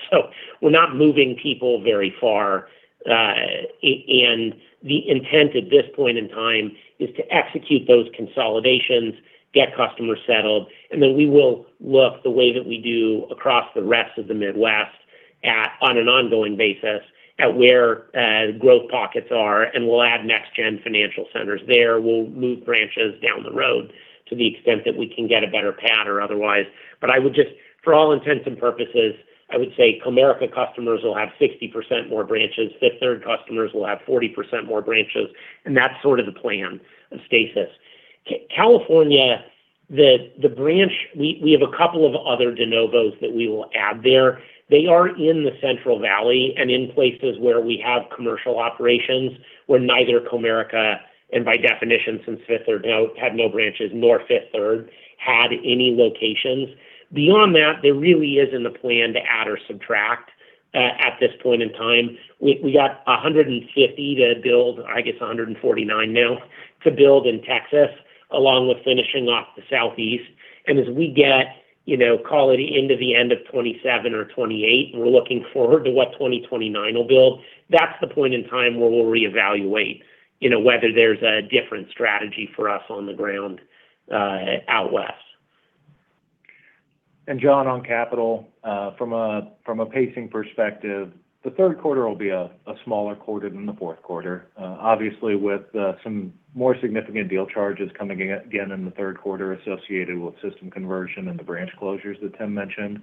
We're not moving people very far. The intent at this point in time is to execute those consolidations, get customers settled, and then we will look the way that we do across the rest of the Midwest on an ongoing basis at where growth pockets are, and we'll add next gen financial centers there. We'll move branches down the road to the extent that we can get a better pad or otherwise. For all intents and purposes, I would say Comerica customers will have 60% more branches, Fifth Third customers will have 40% more branches, that's sort of the plan and stasis. California, we have a couple of other de novos that we will add there. They are in the Central Valley and in places where we have commercial operations where neither Comerica, and by definition since Fifth Third had no branches, nor Fifth Third had any locations. Beyond that, there really isn't a plan to add or subtract at this point in time. We got 150 to build, I guess 149 now to build in Texas, along with finishing off the Southeast. As we get call it into the end of 2027 or 2028, and we're looking forward to what 2029 will build. That's the point in time where we'll reevaluate whether there's a different strategy for us on the ground out west. John, on capital, from a pacing perspective, the third quarter will be a smaller quarter than the fourth quarter. Obviously, with some more significant deal charges coming again in the third quarter associated with system conversion and the branch closures that Tim mentioned.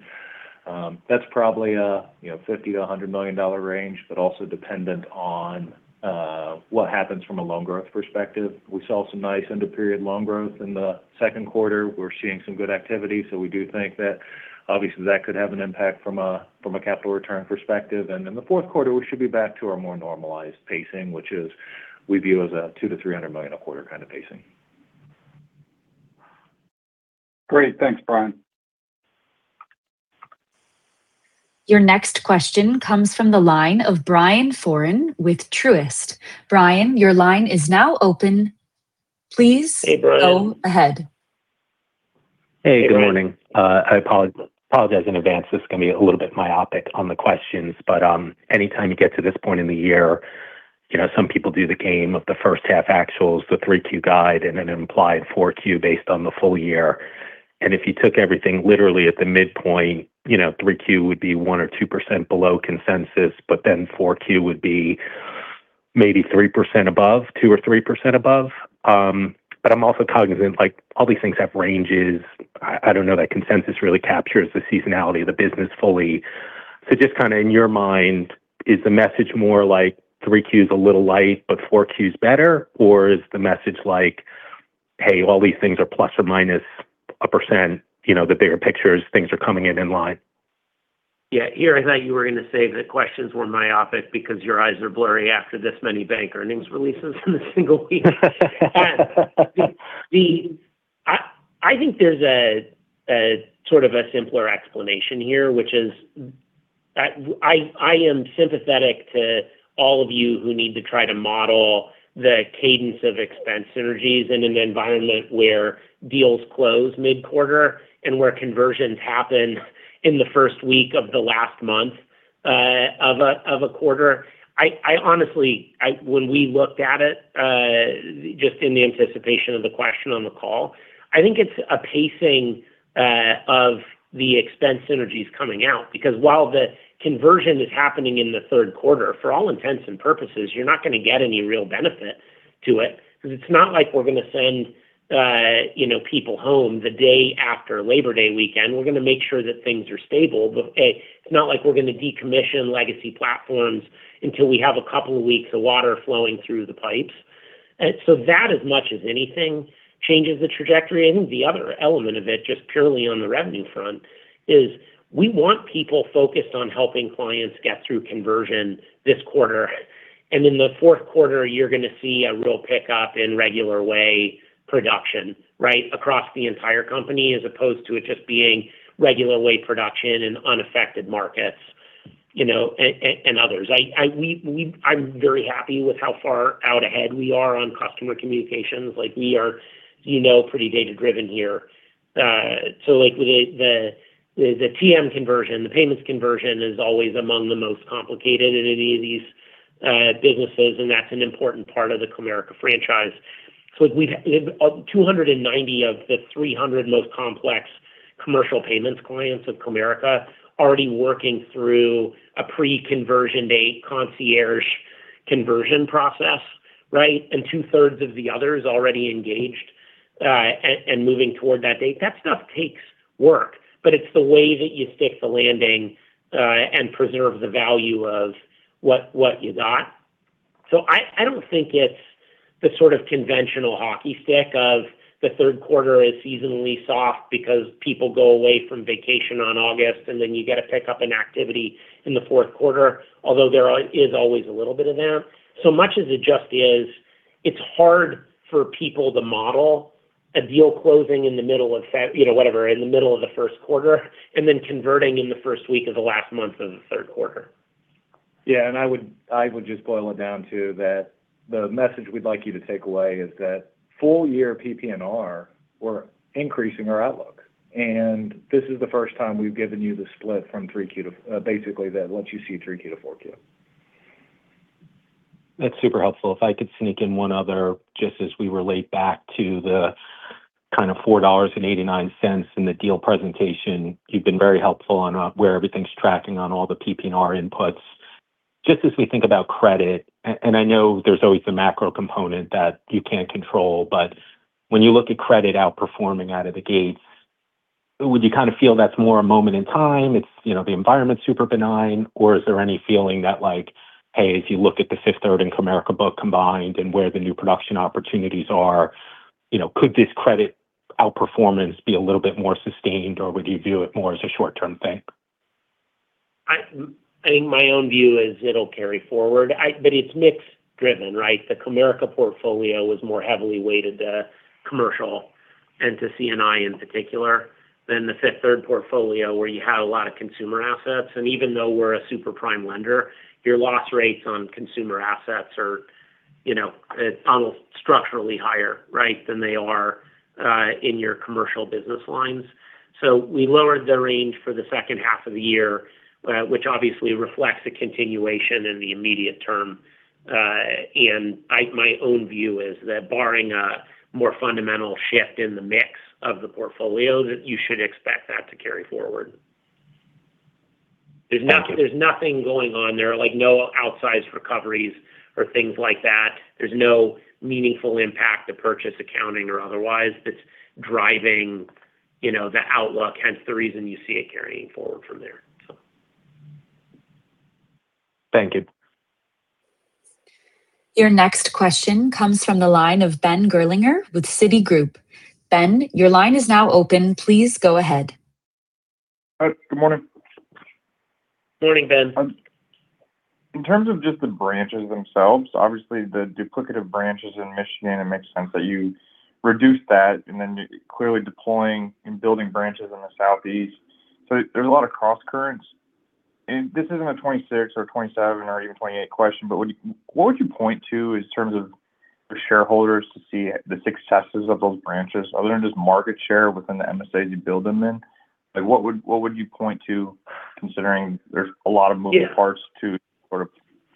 That's probably $50 million-$100 million range, but also dependent on what happens from a loan growth perspective. We saw some nice end-of-period loan growth in the second quarter. We're seeing some good activity. We do think that obviously that could have an impact from a capital return perspective. In the fourth quarter, we should be back to our more normalized pacing, which we view as a $200 million-$300 million a quarter kind of pacing. Great. Thanks, Bryan. Your next question comes from the line of Brian Foran with Truist. Brian, your line is now open. Please go ahead. Hey, good morning. I apologize in advance. This is going to be a little bit myopic on the questions, anytime you get to this point in the year, some people do the game of the first half actuals, the 3Q guide, and an implied 4Q based on the full year. If you took everything literally at the midpoint, 3Q would be 1% or 2% below consensus, 4Q would be maybe 3% above, 2% or 3% above. I'm also cognizant, all these things have ranges. I don't know that consensus really captures the seasonality of the business fully. Just in your mind, is the message more like 3Q is a little light, 4Q is better? Or is the message like, "Hey, all these things are ± 1%. The bigger picture is things are coming in line. Yeah. Here I thought you were going to say the questions were myopic because your eyes are blurry after this many bank earnings releases in a single week. I think there's a simpler explanation here, which is that I am sympathetic to all of you who need to try to model the cadence of expense synergies in an environment where deals close mid-quarter and where conversions happen in the first week of the last month of a quarter. Honestly, when we looked at it just in the anticipation of the question on the call, I think it's a pacing of the expense synergies coming out because while the conversion is happening in the third quarter, for all intents and purposes, you're not going to get any real benefit to it because it's not like we're going to send people home the day after Labor Day weekend. We're going to make sure that things are stable. It's not like we're going to decommission legacy platforms until we have a couple of weeks of water flowing through the pipes. That, as much as anything, changes the trajectory. I think the other element of it, just purely on the revenue front, is we want people focused on helping clients get through conversion this quarter. In the fourth quarter, you're going to see a real pickup in regular way production across the entire company, as opposed to it just being regular way production in unaffected markets and others. I'm very happy with how far out ahead we are on customer communications. We are pretty data-driven here. The TM conversion, the payments conversion, is always among the most complicated in any of these businesses, and that's an important part of the Comerica franchise. We've 290 of the 300 most complex commercial payments clients of Comerica already working through a pre-conversion date concierge conversion process. Two-thirds of the others already engaged and moving toward that date. That stuff takes work, but it's the way that you stick the landing and preserve the value of what you got. I don't think it's the sort of conventional hockey stick of the third quarter is seasonally soft because people go away from vacation on August, and then you get a pickup in activity in the fourth quarter, although there is always a little bit of that. Much as it just is, it's hard for people to model a deal closing in the middle of the first quarter, and then converting in the first week of the last month of the third quarter. I would just boil it down to that the message we'd like you to take away is that full year PPNR, we're increasing our outlook. This is the first time we've given you the split from 3Q to basically that lets you see 3Q to 4Q. That's super helpful. If I could sneak in one other, just as we relate back to the kind of $4.89 in the deal presentation. You've been very helpful on where everything's tracking on all the PPNR inputs. Just as we think about credit, I know there's always the macro component that you can't control, when you look at credit outperforming out of the gates, would you kind of feel that's more a moment in time, it's the environment's super benign, or is there any feeling that like, hey, as you look at the Fifth Third and Comerica book combined and where the new production opportunities are, could this credit outperformance be a little bit more sustained, or would you view it more as a short-term thing? I think my own view is it'll carry forward. It's mix driven, right? The Comerica portfolio was more heavily weighted to commercial and to C&I in particular than the Fifth Third portfolio where you had a lot of consumer assets. Even though we're a super prime lender, your loss rates on consumer assets are almost structurally higher than they are in your commercial business lines. We lowered the range for the second half of the year which obviously reflects the continuation in the immediate term. My own view is that barring a more fundamental shift in the mix of the portfolio, that you should expect that to carry forward. Thank you. There's nothing going on there, like no outsized recoveries or things like that. There's no meaningful impact to purchase accounting or otherwise that's driving the outlook, hence the reason you see it carrying forward from there. Thank you. Your next question comes from the line of Ben Gerlinger with Citigroup. Ben, your line is now open. Please go ahead. Hi, good morning. Morning, Ben. In terms of just the branches themselves, obviously the duplicative branches in Michigan, it makes sense that you reduce that and then you're clearly deploying and building branches in the Southeast. There's a lot of crosscurrents, and this isn't a 2026 or 2027 or even 2028 question, but what would you point to in terms of the shareholders to see the successes of those branches other than just market share within the MSAs you build them in? What would you point to considering there's a lot of moving parts. Yeah. to sort of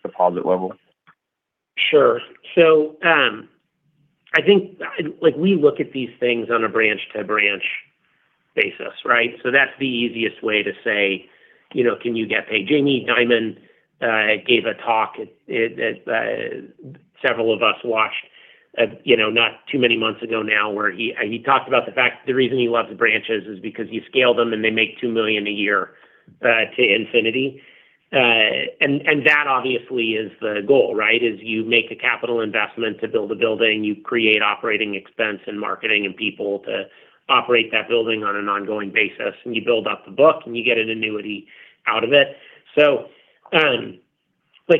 deposit level? Sure. I think we look at these things on a branch-to-branch basis, right? That's the easiest way to say, can you get paid? Jamie Dimon gave a talk that several of us watched not too many months ago now where he talked about the fact the reason he loves branches is because you scale them, and they make $2 million a year to infinity. That obviously is the goal, right? Is you make a capital investment to build a building. You create operating expense and marketing and people to operate that building on an ongoing basis, and you build up the book, and you get an annuity out of it.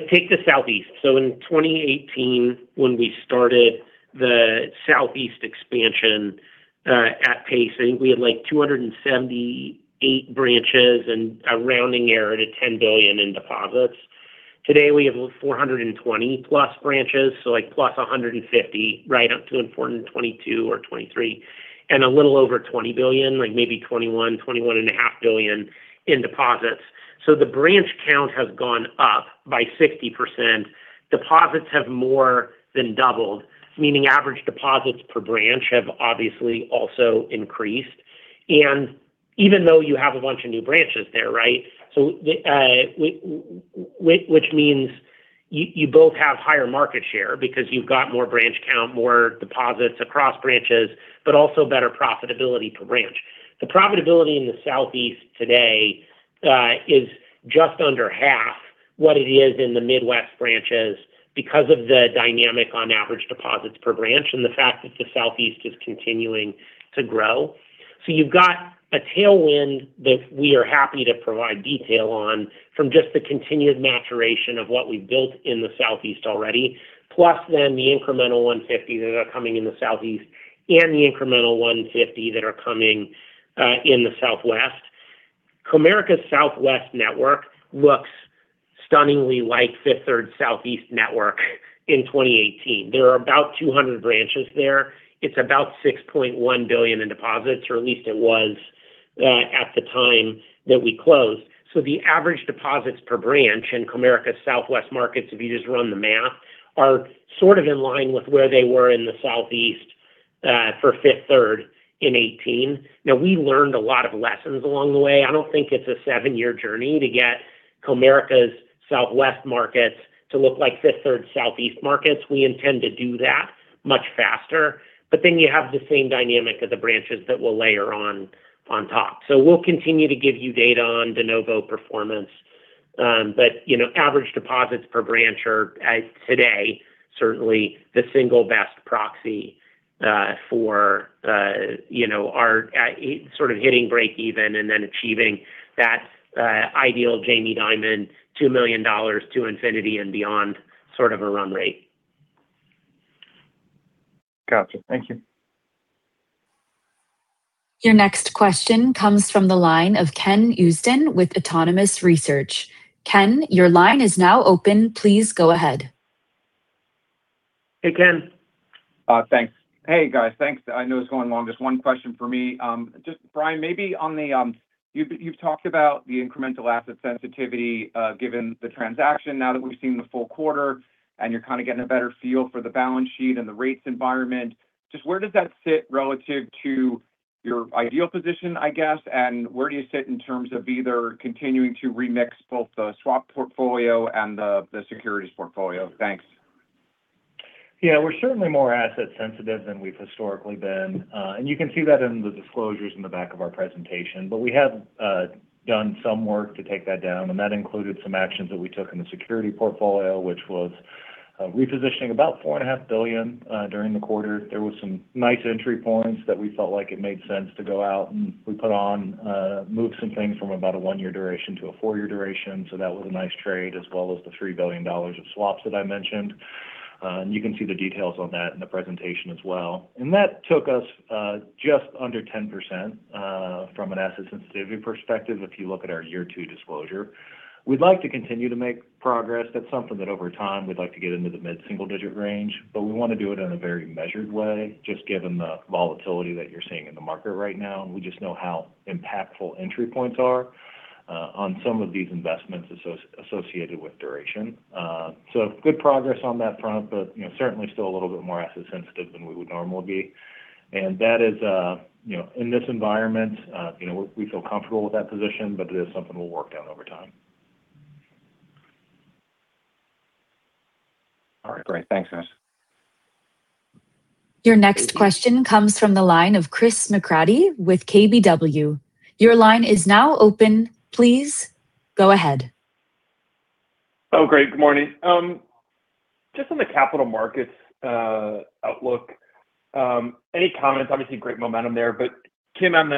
Take the Southeast. In 2018, when we started the Southeast expansion at Pace, I think we had like 278 branches and a rounding error to $10 billion in deposits. Today, we have 420+ branches, plus 150 right up to 422 or 423, and a little over $20 billion, maybe $21 billion, $21.5 billion in deposits. The branch count has gone up by 60%. Deposits have more than doubled, meaning average deposits per branch have obviously also increased. Even though you have a bunch of new branches there, right? Which means you both have higher market share because you've got more branch count, more deposits across branches, but also better profitability per branch. The profitability in the Southeast today is just under half what it is in the Midwest branches because of the dynamic on average deposits per branch and the fact that the Southeast is continuing to grow. You've got a tailwind that we are happy to provide detail on from just the continued maturation of what we've built in the Southeast already. The incremental 150 that are coming in the Southeast and the incremental 150 that are coming in the Southwest. Comerica's Southwest network looks stunningly like Fifth Third's Southeast network in 2018. There are about 200 branches there. It's about $6.1 billion in deposits, or at least it was at the time that we closed. The average deposits per branch in Comerica Southwest markets, if you just run the math, are sort of in line with where they were in the Southeast for Fifth Third in 2018. We learned a lot of lessons along the way. I don't think it's a seven-year journey to get Comerica's Southwest markets to look like Fifth Third's Southeast markets. We intend to do that much faster. You have the same dynamic of the branches that we'll layer on top. We'll continue to give you data on de novo performance. Average deposits per branch are today certainly the single best proxy for our hitting breakeven and then achieving that ideal Jamie Dimon $2 million to infinity and beyond sort of a run rate. Got you. Thank you. Your next question comes from the line of Ken Usdin with Autonomous Research. Ken, your line is now open. Please go ahead. Hey, Ken. Thanks. Hey, guys. Thanks. I know it's going long. Just one question for me. Bryan, you've talked about the incremental asset sensitivity given the transaction now that we've seen the full quarter and you're kind of getting a better feel for the balance sheet and the rates environment. Just where does that sit relative to your ideal position, I guess? Where do you sit in terms of either continuing to remix both the swap portfolio and the securities portfolio? Thanks. Yeah. We're certainly more asset sensitive than we've historically been. You can see that in the disclosures in the back of our presentation. We have done some work to take that down, and that included some actions that we took in the security portfolio, which was repositioning about $4.5 billion during the quarter. There were some nice entry points that we felt like it made sense to go out, and we put on, moved some things from about a one-year duration to a four-year duration. So that was a nice trade, as well as the $3 billion of swaps that I mentioned. You can see the details on that in the presentation as well. That took us just under 10% from an asset sensitivity perspective if you look at our year two disclosure. We'd like to continue to make progress. That's something that over time we'd like to get into the mid-single-digit range. We want to do it in a very measured way, just given the volatility that you're seeing in the market right now, and we just know how impactful entry points are on some of these investments associated with duration. Good progress on that front, but certainly still a little bit more asset sensitive than we would normally be. That is in this environment we feel comfortable with that position, but it is something we'll work down over time. All right. Great. Thanks, guys. Your next question comes from the line of Chris McGratty with KBW. Your line is now open. Please go ahead. Great. Good morning. Just on the capital markets outlook, any comments? Obviously great momentum there. Tim, on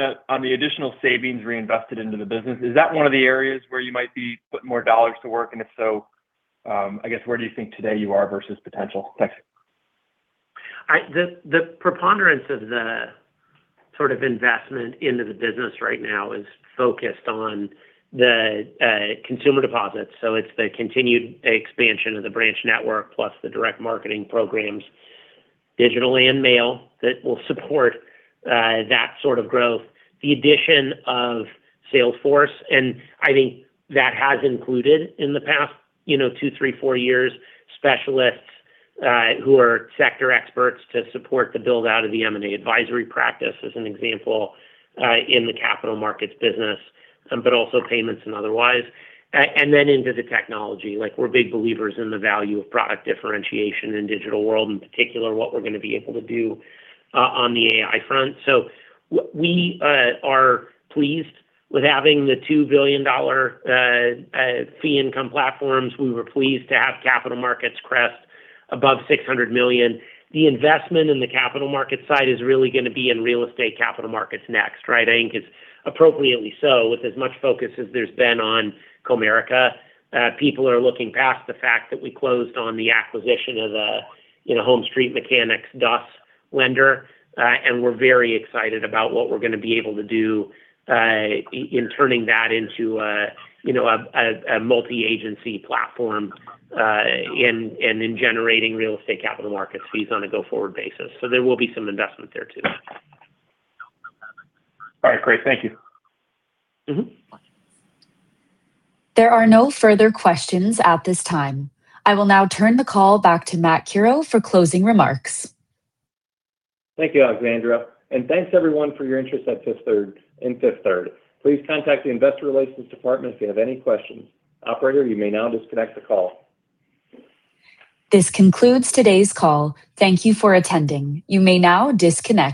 the additional savings reinvested into the business, is that one of the areas where you might be putting more dollars to work? If so, I guess, where do you think today you are versus potential? Thanks. The preponderance of the sort of investment into the business right now is focused on the consumer deposits. It's the continued expansion of the branch network plus the direct marketing programs, digital and mail, that will support that sort of growth. The addition of sales force, and I think that has included in the past two, three, four years, specialists who are sector experts to support the build-out of the M&A advisory practice, as an example, in the capital markets business but also payments and otherwise. Then into the technology. We're big believers in the value of product differentiation in digital world, in particular, what we're going to be able to do on the AI front. We are pleased with having the $2 billion fee income platforms. We were pleased to have capital markets crest above $600 million. The investment in the capital markets side is really going to be in real estate capital markets next, right? I think it's appropriately so. With as much focus as there's been on Comerica, people are looking past the fact that we closed on the acquisition of a HomeStreet Mechanics DUS lender. We're very excited about what we're going to be able to do in turning that into a multi-agency platform, and in generating real estate capital markets fees on a go-forward basis. There will be some investment there too. All right, great. Thank you. There are no further questions at this time. I will now turn the call back to Matt Curoe for closing remarks. Thank you, Alexandra, and thanks everyone for your interest in Fifth Third. Please contact the investor relations department if you have any questions. Operator, you may now disconnect the call. This concludes today's call. Thank you for attending. You may now disconnect.